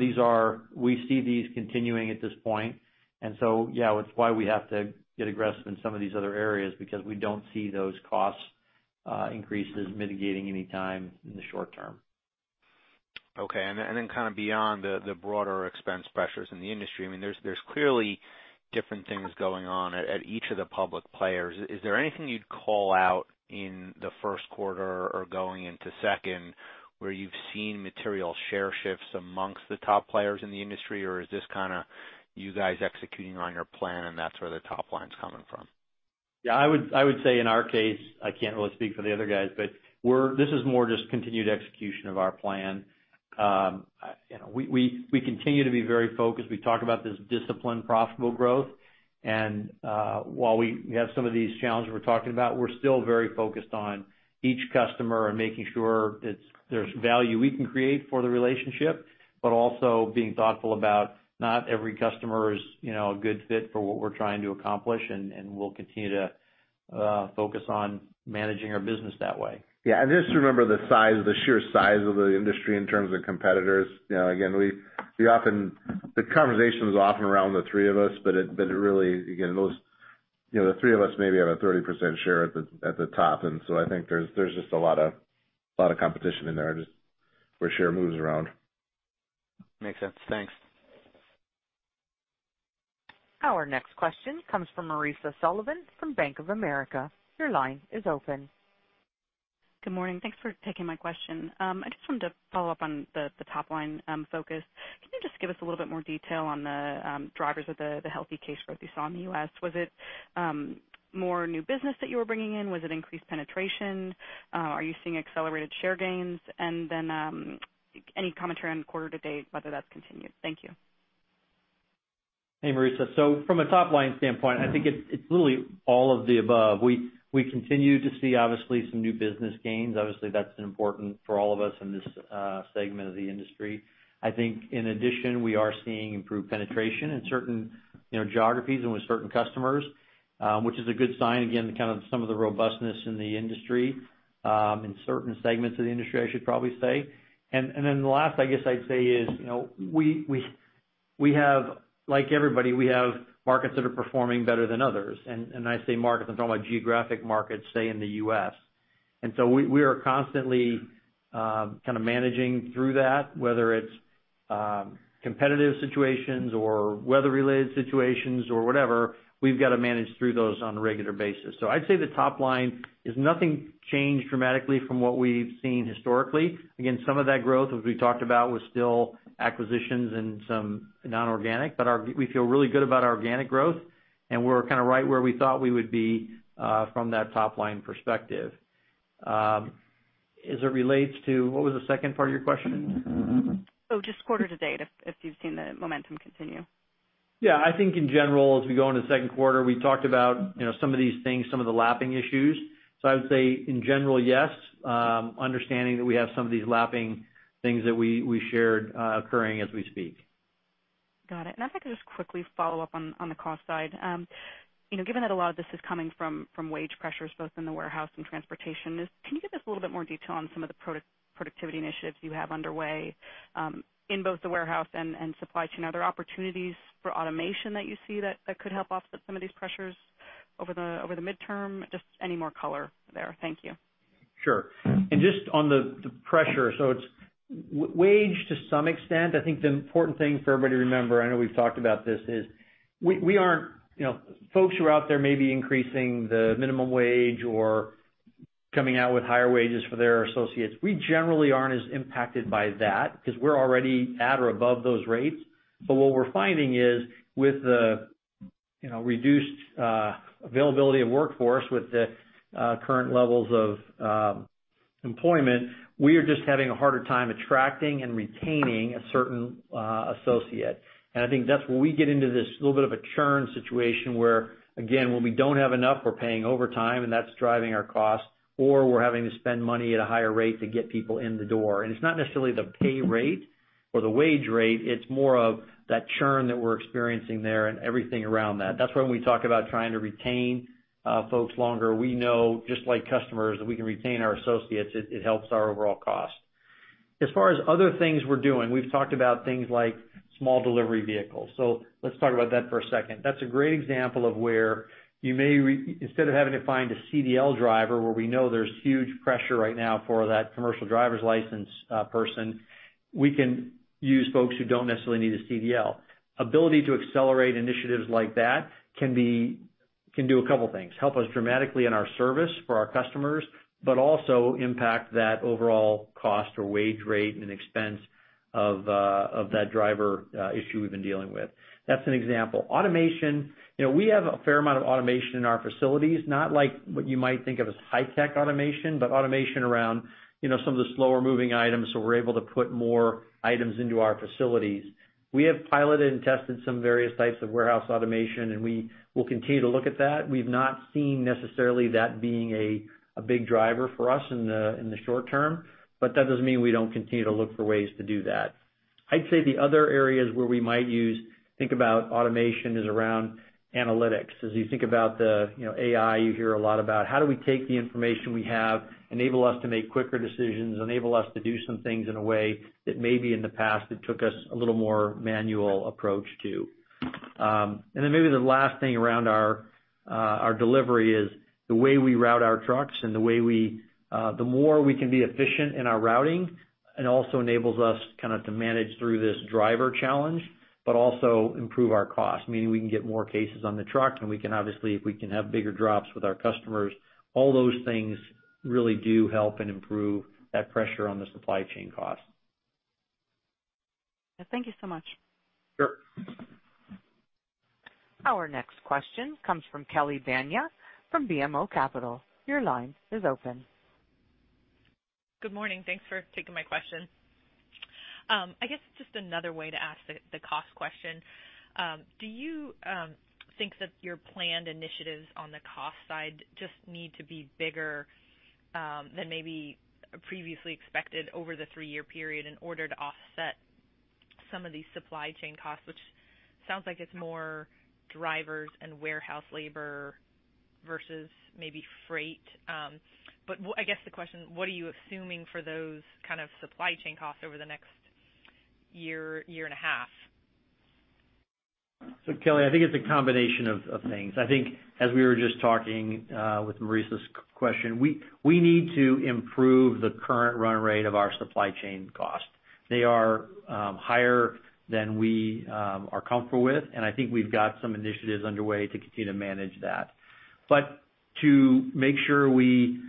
We see these continuing at this point. It's why we have to get aggressive in some of these other areas, because we don't see those cost increases mitigating any time in the short term. Okay, beyond the broader expense pressures in the industry, there's clearly different things going on at each of the public players. Is there anything you'd call out in the first quarter or going into second, where you've seen material share shifts amongst the top players in the industry, or is this kind of you guys executing on your plan and that's where the top line's coming from? Yeah, I would say in our case, I can't really speak for the other guys, This is more just continued execution of our plan. We continue to be very focused. We talk about this disciplined, profitable growth and, while we have some of these challenges we're talking about, we're still very focused on each customer and making sure there's value we can create for the relationship. Also being thoughtful about not every customer is a good fit for what we're trying to accomplish, and we'll continue to focus on managing our business that way. Yeah, just remember the sheer size of the industry in terms of competitors. Again, the conversation is often around the three of us, Really, the three of us maybe have a 30% share at the top. I think there's just a lot of competition in there, just where share moves around. Makes sense. Thanks. Our next question comes from Marisa Sullivan from Bank of America. Your line is open. Good morning. Thanks for taking my question. I just wanted to follow up on the top-line focus. Can you just give us a little bit more detail on the drivers of the healthy case growth you saw in the U.S.? Was it more new business that you were bringing in? Was it increased penetration? Are you seeing accelerated share gains? Then, any commentary on quarter to date, whether that's continued. Thank you. Hey, Marisa. From a top-line standpoint, I think it's literally all of the above. We continue to see, obviously, some new business gains. Obviously, that's important for all of us in this segment of the industry. I think in addition, we are seeing improved penetration in certain geographies and with certain customers, which is a good sign, again, to kind of some of the robustness in the industry, in certain segments of the industry, I should probably say. Then the last, I guess I'd say is, like everybody, we have markets that are performing better than others. I say markets, I'm talking about geographic markets, say, in the U.S. We are constantly kind of managing through that, whether it's competitive situations or weather-related situations or whatever. We've got to manage through those on a regular basis. I'd say the top line is nothing changed dramatically from what we've seen historically. Again, some of that growth, as we talked about, was still acquisitions and some non-organic. We feel really good about our organic growth, and we're kind of right where we thought we would be, from that top-line perspective. As it relates to, what was the second part of your question? Just quarter-to-date, if you've seen the momentum continue. I think in general, as we go into the second quarter, we talked about some of these things, some of the lapping issues. I would say in general, yes, understanding that we have some of these lapping things that we shared occurring as we speak. Got it. If I could just quickly follow up on the cost side. Given that a lot of this is coming from wage pressures both in the warehouse and transportation, can you give us a little bit more detail on some of the productivity initiatives you have underway, in both the warehouse and supply chain? Are there opportunities for automation that you see that could help offset some of these pressures over the midterm? Just any more color there. Thank you. Sure. Just on the pressure. It's wage to some extent. I think the important thing for everybody to remember, I know we've talked about this, is folks who are out there maybe increasing the minimum wage or coming out with higher wages for their associates. We generally aren't as impacted by that because we're already at or above those rates. What we're finding is with the reduced availability of workforce, with the current levels of employment, we are just having a harder time attracting and retaining a certain associate. I think that's where we get into this little bit of a churn situation where, again, when we don't have enough, we're paying overtime and that's driving our cost or we're having to spend money at a higher rate to get people in the door. It's not necessarily the pay rate or the wage rate, it's more of that churn that we're experiencing there and everything around that. That's why when we talk about trying to retain folks longer, we know just like customers, if we can retain our associates, it helps our overall cost. As far as other things we're doing, we've talked about things like small delivery vehicles. Let's talk about that for a second. That's a great example of where instead of having to find a CDL driver where we know there's huge pressure right now for that commercial driver's license person, we can use folks who don't necessarily need a CDL. Ability to accelerate initiatives like that can do a couple things. Help us dramatically in our service for our customers, also impact that overall cost or wage rate and expense of that driver issue we've been dealing with. That's an example. Automation. We have a fair amount of automation in our facilities, not like what you might think of as high tech automation, but automation around some of the slower moving items so we're able to put more items into our facilities. We have piloted and tested some various types of warehouse automation and we will continue to look at that. We've not seen necessarily that being a big driver for us in the short term, that doesn't mean we don't continue to look for ways to do that. I'd say the other areas where we might think about automation is around analytics. As you think about the AI, you hear a lot about how do we take the information we have, enable us to make quicker decisions, enable us to do some things in a way that maybe in the past it took us a little more manual approach to. Then maybe the last thing around our delivery is the way we route our trucks and the more we can be efficient in our routing, it also enables us to manage through this driver challenge, also improve our cost, meaning we can get more cases on the truck and we can obviously, if we can have bigger drops with our customers, all those things really do help and improve that pressure on the supply chain cost. Thank you so much. Sure. Our next question comes from Kelly Bania from BMO Capital. Your line is open. Good morning. Thanks for taking my question. I guess just another way to ask the cost question. Do you think that your planned initiatives on the cost side just need to be bigger than maybe previously expected over the three-year period in order to offset some of these supply chain costs, which sounds like it's more drivers and warehouse labor versus maybe freight. I guess the question, what are you assuming for those kind of supply chain costs over the next year and a half? Kelly, I think it's a combination of things. I think as we were just talking with Marisa's question, we need to improve the current run rate of our supply chain cost. They are higher than we are comfortable with and I think we've got some initiatives underway to continue to manage that. To make sure we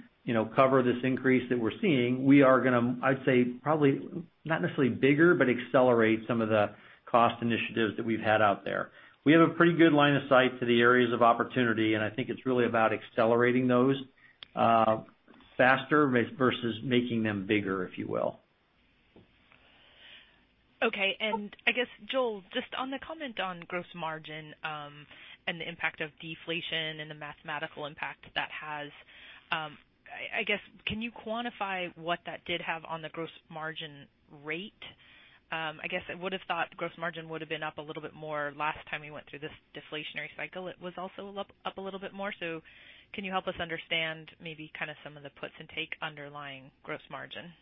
cover this increase that we're seeing, we are going to, I'd say probably not necessarily bigger, but accelerate some of the cost initiatives that we've had out there. We have a pretty good line of sight to the areas of opportunity and I think it's really about accelerating those faster versus making them bigger, if you will. Okay. I guess, Joel, just on the comment on gross margin and the impact of deflation and the mathematical impact that has, I guess, can you quantify what that did have on the gross margin rate? I guess I would have thought gross margin would have been up a little bit more last time we went through this deflationary cycle, it was also up a little bit more. Can you help us understand maybe some of the puts and takes underlying gross margin?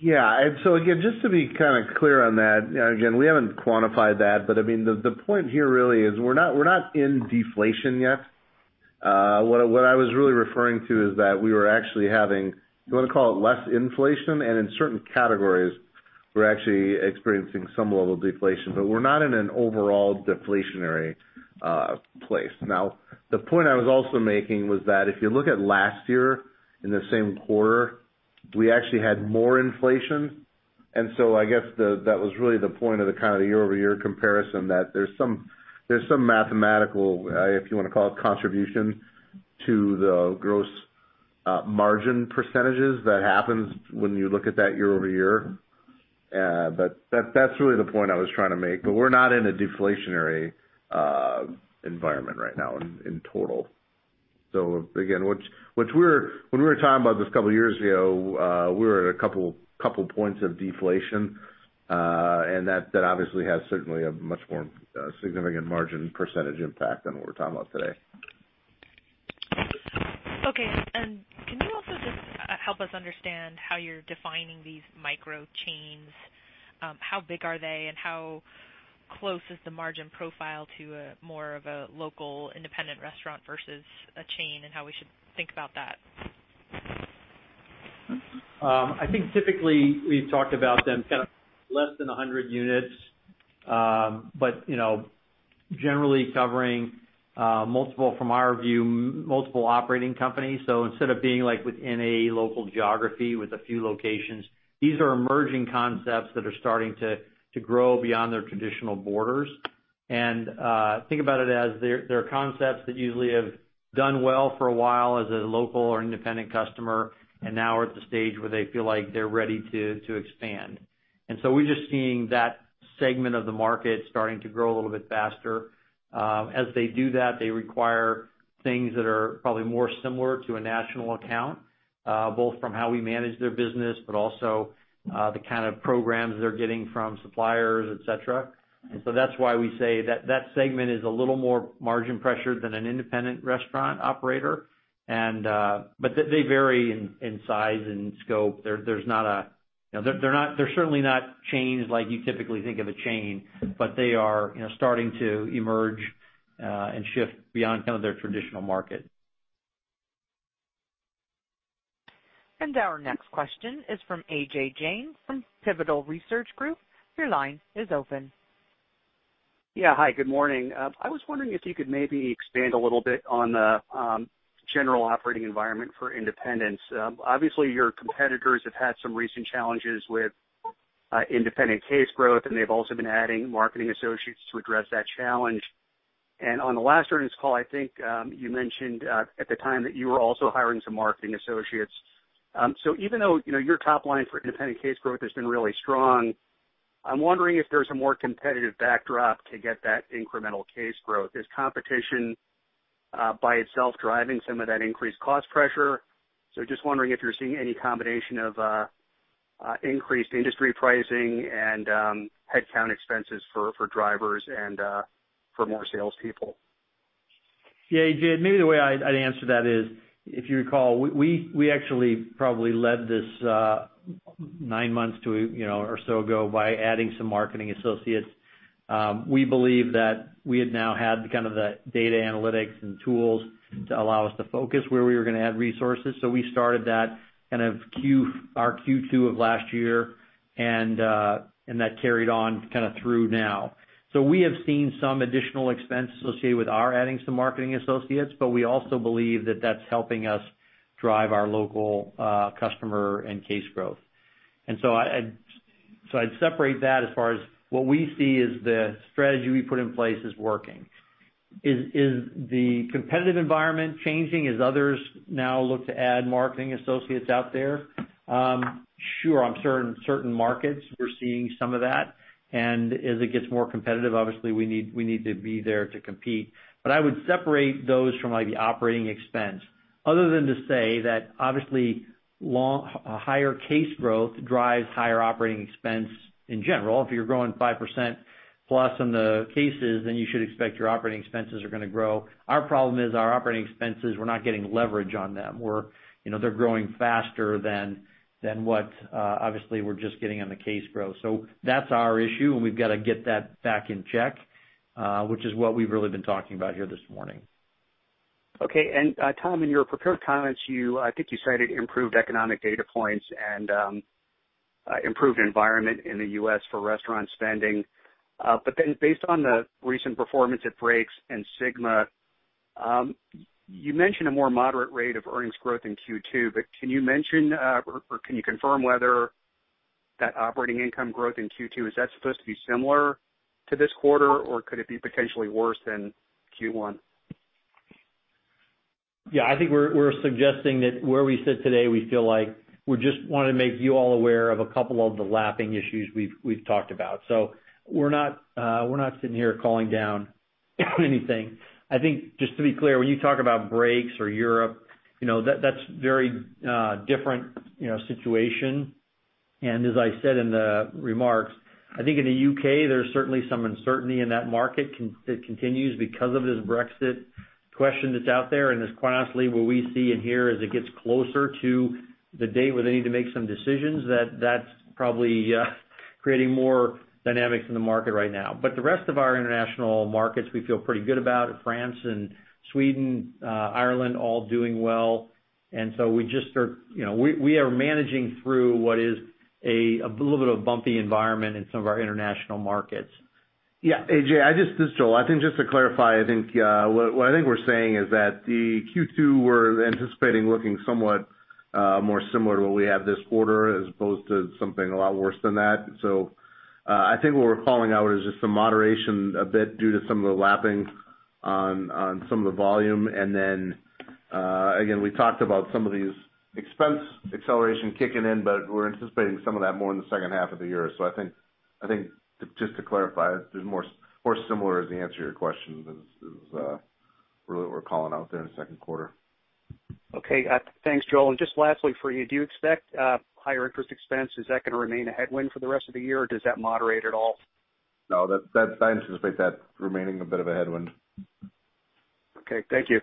Yeah. Again, just to be kind of clear on that, again, we haven't quantified that, but I mean, the point here really is we're not in deflation yet. What I was really referring to is that we were actually having, if you want to call it less inflation, and in certain categories we're actually experiencing some level of deflation, but we're not in an overall deflationary place. Now, the point I was also making was that if you look at last year in the same quarter, we actually had more inflation. I guess that was really the point of the year-over-year comparison, that there's some mathematical, if you want to call it, contribution to the gross margin percentages that happens when you look at that year-over-year. That's really the point I was trying to make. We're not in a deflationary environment right now in total. Again, when we were talking about this a couple of years ago, we were at a couple points of deflation and that obviously has certainly a much more significant margin percentage impact than what we're talking about today. Okay. Can you also just help us understand how you're defining these micro chains? How big are they and how close is the margin profile to more of a local independent restaurant versus a chain and how we should think about that? I think typically we've talked about them kind of less than 100 units but generally covering from our view, multiple operating companies. Instead of being within a local geography with a few locations, these are emerging concepts that are starting to grow beyond their traditional borders. Think about it as they're concepts that usually have done well for a while as a local or independent customer, and now are at the stage where they feel like they're ready to expand. We're just seeing that segment of the market starting to grow a little bit faster. As they do that, they require things that are probably more similar to a national account, both from how we manage their business, but also the kind of programs they're getting from suppliers, et cetera. That's why we say that segment is a little more margin pressured than an independent restaurant operator. They vary in size and scope. They're certainly not chains like you typically think of a chain, but they are starting to emerge, and shift beyond their traditional market. Our next question is from Ajay Jain from Pivotal Research Group. Your line is open. Yeah. Hi, good morning. I was wondering if you could maybe expand a little bit on the general operating environment for independents. Obviously, your competitors have had some recent challenges with independent case growth, and they've also been adding marketing associates to address that challenge. On the last earnings call, I think, you mentioned at the time that you were also hiring some marketing associates. Even though your top line for independent case growth has been really strong, I'm wondering if there's a more competitive backdrop to get that incremental case growth. Is competition by itself driving some of that increased cost pressure? Just wondering if you're seeing any combination of increased industry pricing and headcount expenses for drivers and for more salespeople. Yeah, A.J. Maybe the way I'd answer that is, if you recall, we actually probably led this 9 months or so ago by adding some marketing associates. We believe that we had now had the kind of the data analytics and tools to allow us to focus where we were going to add resources. We started that our Q2 of last year, and that carried on through now. We have seen some additional expense associated with our adding some marketing associates, but we also believe that that's helping us drive our local customer and case growth. I'd separate that as far as what we see is the strategy we put in place is working. Is the competitive environment changing as others now look to add marketing associates out there? Sure. On certain markets, we're seeing some of that. As it gets more competitive, obviously we need to be there to compete. I would separate those from the operating expense, other than to say that obviously, a higher case growth drives higher operating expense in general. If you're growing 5% plus on the cases, then you should expect your operating expenses are going to grow. Our problem is our operating expenses, we're not getting leverage on them. They're growing faster than what, obviously, we're just getting on the case growth. That's our issue, and we've got to get that back in check, which is what we've really been talking about here this morning. Okay. Tom, in your prepared comments, I think you cited improved economic data points and improved environment in the U.S. for restaurant spending. Based on the recent performance at Brakes and SYGMA, you mentioned a more moderate rate of earnings growth in Q2, can you mention or can you confirm whether that operating income growth in Q2, is that supposed to be similar to this quarter, or could it be potentially worse than Q1? Yeah, I think we're suggesting that where we sit today, we feel like we just want to make you all aware of a couple of the lapping issues we've talked about. We're not sitting here calling down anything. I think just to be clear, when you talk about Brakes or Europe, that's very different situation. As I said in the remarks, I think in the U.K., there's certainly some uncertainty in that market that continues because of this Brexit question that's out there, and is quite honestly what we see in here as it gets closer to the date where they need to make some decisions, that's probably creating more dynamics in the market right now. The rest of our international markets, we feel pretty good about. France and Sweden, Ireland, all doing well. We are managing through what is a little bit of a bumpy environment in some of our international markets. Yeah, A.J. This is Joel. I think just to clarify, what I think we're saying is that the Q2, we're anticipating looking somewhat more similar to what we have this quarter as opposed to something a lot worse than that. I think what we're calling out is just some moderation a bit due to some of the lapping on some of the volume. Again, we talked about some of these expense acceleration kicking in, but we're anticipating some of that more in the second half of the year. I think just to clarify, there's more similar is the answer to your question than really what we're calling out there in the second quarter. Okay. Thanks, Joel. Just lastly for you, do you expect higher interest expense? Is that going to remain a headwind for the rest of the year, or does that moderate at all? No. I anticipate that remaining a bit of a headwind. Okay. Thank you.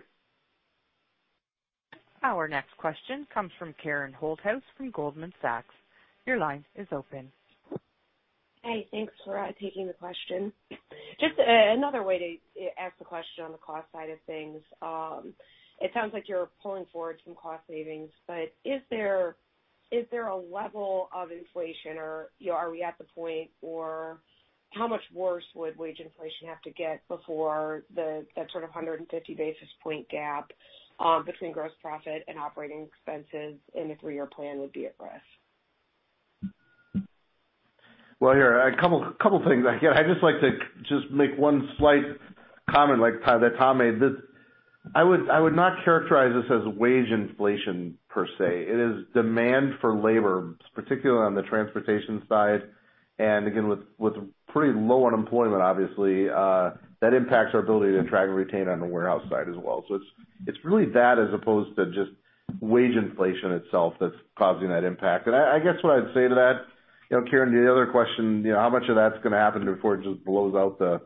Our next question comes from Karen Holthouse from Goldman Sachs. Your line is open. Hey, thanks for taking the question. Just another way to ask the question on the cost side of things. It sounds like you're pulling forward some cost savings, but is there a level of inflation or are we at the point or how much worse would wage inflation have to get before that sort of 150 basis point gap between gross profit and operating expenses in the three-year plan would be at risk? Well, here. A couple things. I'd just like to make one slight comment that Tom made. I would not characterize this as wage inflation per se. It is demand for labor, particularly on the transportation side. Again, with pretty low unemployment, obviously, that impacts our ability to attract and retain on the warehouse side as well. It's really that as opposed to just wage inflation itself that's causing that impact. I guess what I'd say to that, Karen, the other question, how much of that's going to happen before it just blows out the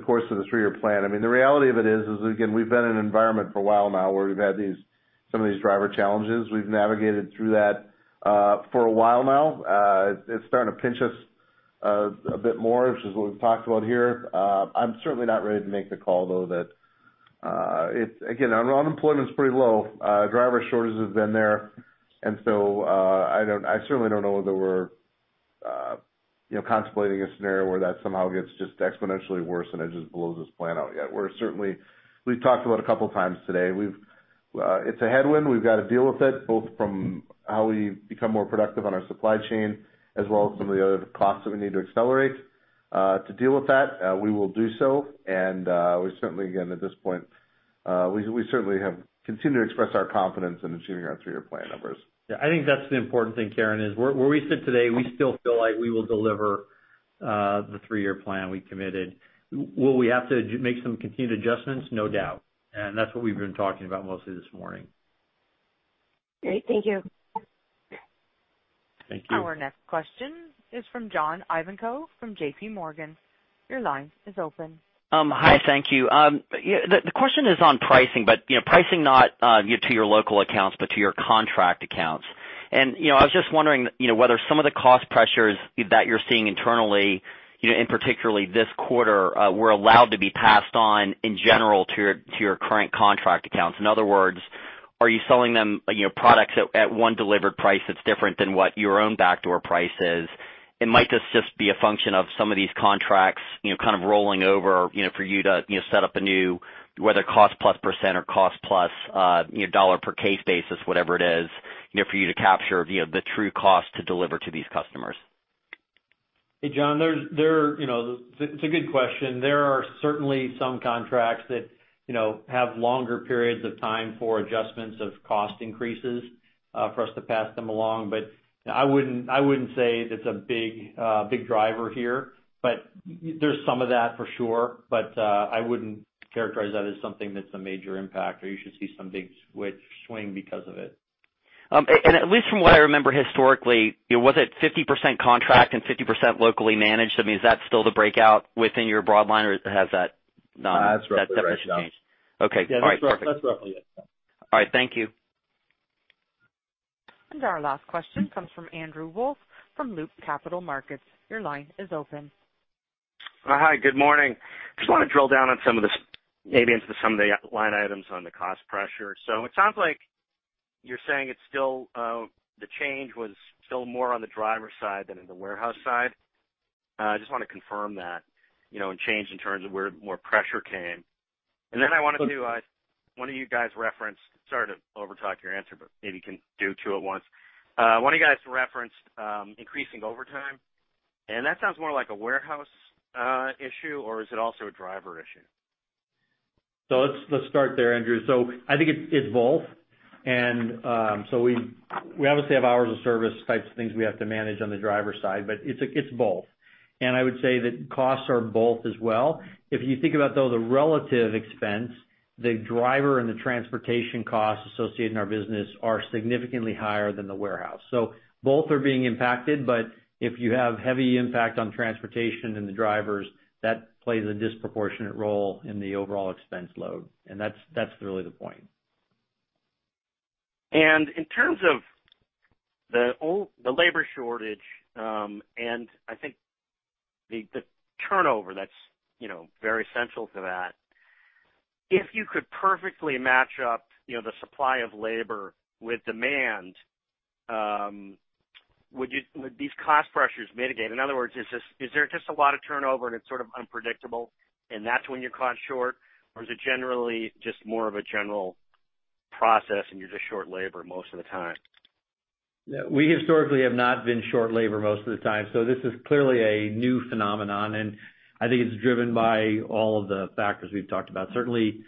course of the three-year plan? I mean, the reality of it is again, we've been in an environment for a while now where we've had some of these driver challenges. We've navigated through that for a while now. It's starting to pinch us a bit more, which is what we've talked about here. I'm certainly not ready to make the call, though, that again, our unemployment's pretty low. Driver shortage has been there. I certainly don't know that we're contemplating a scenario where that somehow gets just exponentially worse and it just blows this plan out yet. We've talked about a couple times today. It's a headwind. We've got to deal with it, both from how we become more productive on our supply chain as well as some of the other costs that we need to accelerate to deal with that. We will do so. We certainly, again, at this point, we certainly have continued to express our confidence in achieving our three-year plan numbers. Yeah, I think that's the important thing, Karen, is where we sit today, we still feel like we will deliver the three-year plan we committed. Will we have to make some continued adjustments? No doubt. That's what we've been talking about mostly this morning. Great. Thank you. Thank you. Our next question is from John Ivankoe from J.P. Morgan. Your line is open. Hi, thank you. The question is on pricing not to your local accounts, but to your contract accounts. I was just wondering whether some of the cost pressures that you're seeing internally, in particular this quarter, were allowed to be passed on in general to your current contract accounts. In other words, are you selling them products at one delivered price that's different than what your own backdoor price is? It might just be a function of some of these contracts kind of rolling over for you to set up a new, whether cost plus percent or cost plus dollar per case basis, whatever it is, for you to capture the true cost to deliver to these customers. Hey, John. It's a good question. There are certainly some contracts that have longer periods of time for adjustments of cost increases for us to pass them along. I wouldn't say that's a big driver here. There's some of that for sure, but I wouldn't characterize that as something that's a major impact, or you should see some big swing because of it. At least from what I remember historically, was it 50% contract and 50% locally managed? I mean, is that still the breakout within your U.S. Broadline, or has that not- That's roughly it, John. Okay. All right. Perfect. That's roughly it, John. All right. Thank you. Our last question comes from Andrew Wolf from Loop Capital Markets. Your line is open. Hi. Good morning. Just want to drill down into some of the line items on the cost pressure. It sounds like you're saying the change was still more on the driver side than in the warehouse side. I just want to confirm that, and change in terms of where more pressure came. One of you guys referenced, sorry to overtalk your answer, but maybe you can do two at once. One of you guys referenced increasing overtime, and that sounds more like a warehouse issue, or is it also a driver issue? Let's start there, Andrew. I think it's both. We obviously have hours of service types of things we have to manage on the driver side, but it's both. I would say that costs are both as well. If you think about, though, the relative expense, the driver and the transportation costs associated in our business are significantly higher than the warehouse. Both are being impacted, but if you have heavy impact on transportation and the drivers, that plays a disproportionate role in the overall expense load. That's really the point. In terms of the labor shortage, and I think the turnover that's very central to that. If you could perfectly match up the supply of labor with demand, would these cost pressures mitigate? In other words, is there just a lot of turnover and it's sort of unpredictable and that's when you're caught short? Or is it generally just more of a general process and you're just short labor most of the time? We historically have not been short labor most of the time, this is clearly a new phenomenon, I think it's driven by all of the factors we've talked about. Certainly,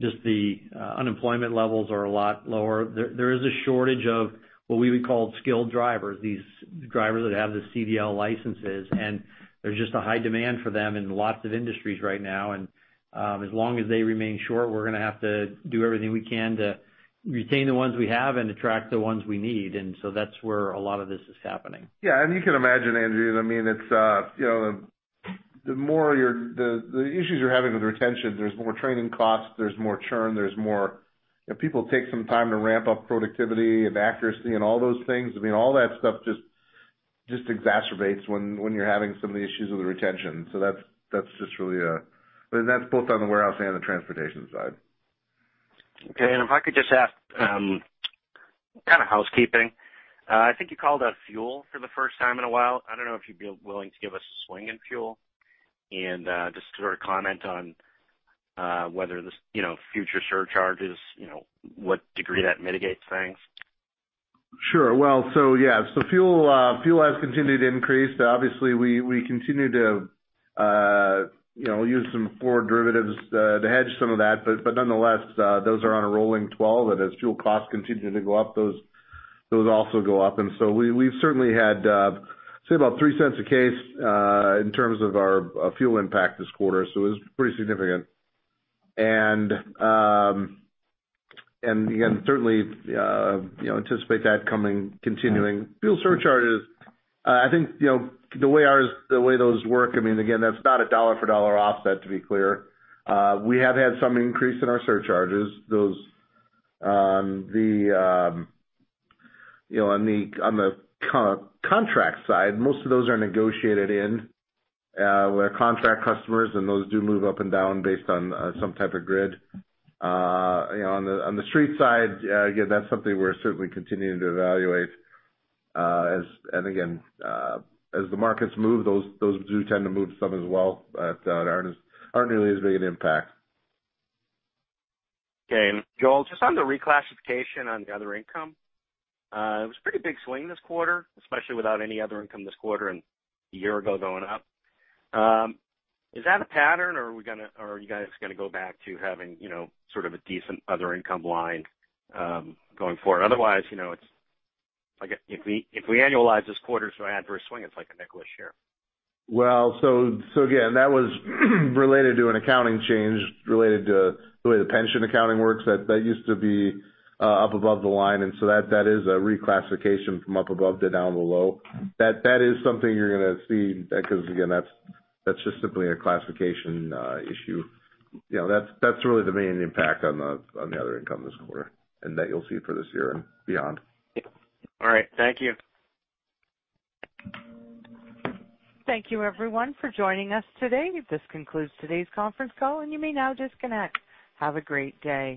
just the unemployment levels are a lot lower. There is a shortage of what we would call skilled drivers, these drivers that have the CDL licenses, there's just a high demand for them in lots of industries right now. As long as they remain short, we're going to have to do everything we can to retain the ones we have and attract the ones we need. That's where a lot of this is happening. Yeah. You can imagine, Andrew, the issues you're having with retention, there's more training costs, there's more churn. People take some time to ramp up productivity and accuracy and all those things. I mean, all that stuff just exacerbates when you're having some of the issues with the retention. That's both on the warehouse and the transportation side. Okay. If I could just ask, kind of housekeeping. I think you called out fuel for the first time in a while. I don't know if you'd be willing to give us a swing in fuel and just sort of comment on whether the future surcharges, what degree that mitigates things? Sure. Well, yes. Fuel has continued to increase. Obviously, we continue to use some forward derivatives to hedge some of that. Nonetheless, those are on a rolling 12, as fuel costs continue to go up, those also go up. We've certainly had, say, about $0.03 a case in terms of our fuel impact this quarter, it was pretty significant. Again, certainly anticipate that continuing. Fuel surcharges, I think, the way those work, again, that's not a dollar-for-dollar offset, to be clear. We have had some increase in our surcharges. On the contract side, most of those are negotiated in with our contract customers, those do move up and down based on some type of grid. On the street side, again, that's something we're certainly continuing to evaluate. Again, as the markets move, those do tend to move some as well. Aren't nearly as big an impact. Okay. Joel, just on the reclassification on the other income, it was a pretty big swing this quarter, especially without any other income this quarter and a year ago going up. Is that a pattern, or are you guys gonna go back to having sort of a decent other income line going forward? Otherwise, if we annualize this quarter's adverse swing, it's like $0.05 a share. Well, again, that was related to an accounting change related to the way the pension accounting works. That used to be up above the line, that is a reclassification from up above to down below. That is something you're gonna see because, again, that's just simply a classification issue. That's really the main impact on the other income this quarter, and that you'll see for this year and beyond. All right. Thank you. Thank you everyone for joining us today. This concludes today's conference call, and you may now disconnect. Have a great day.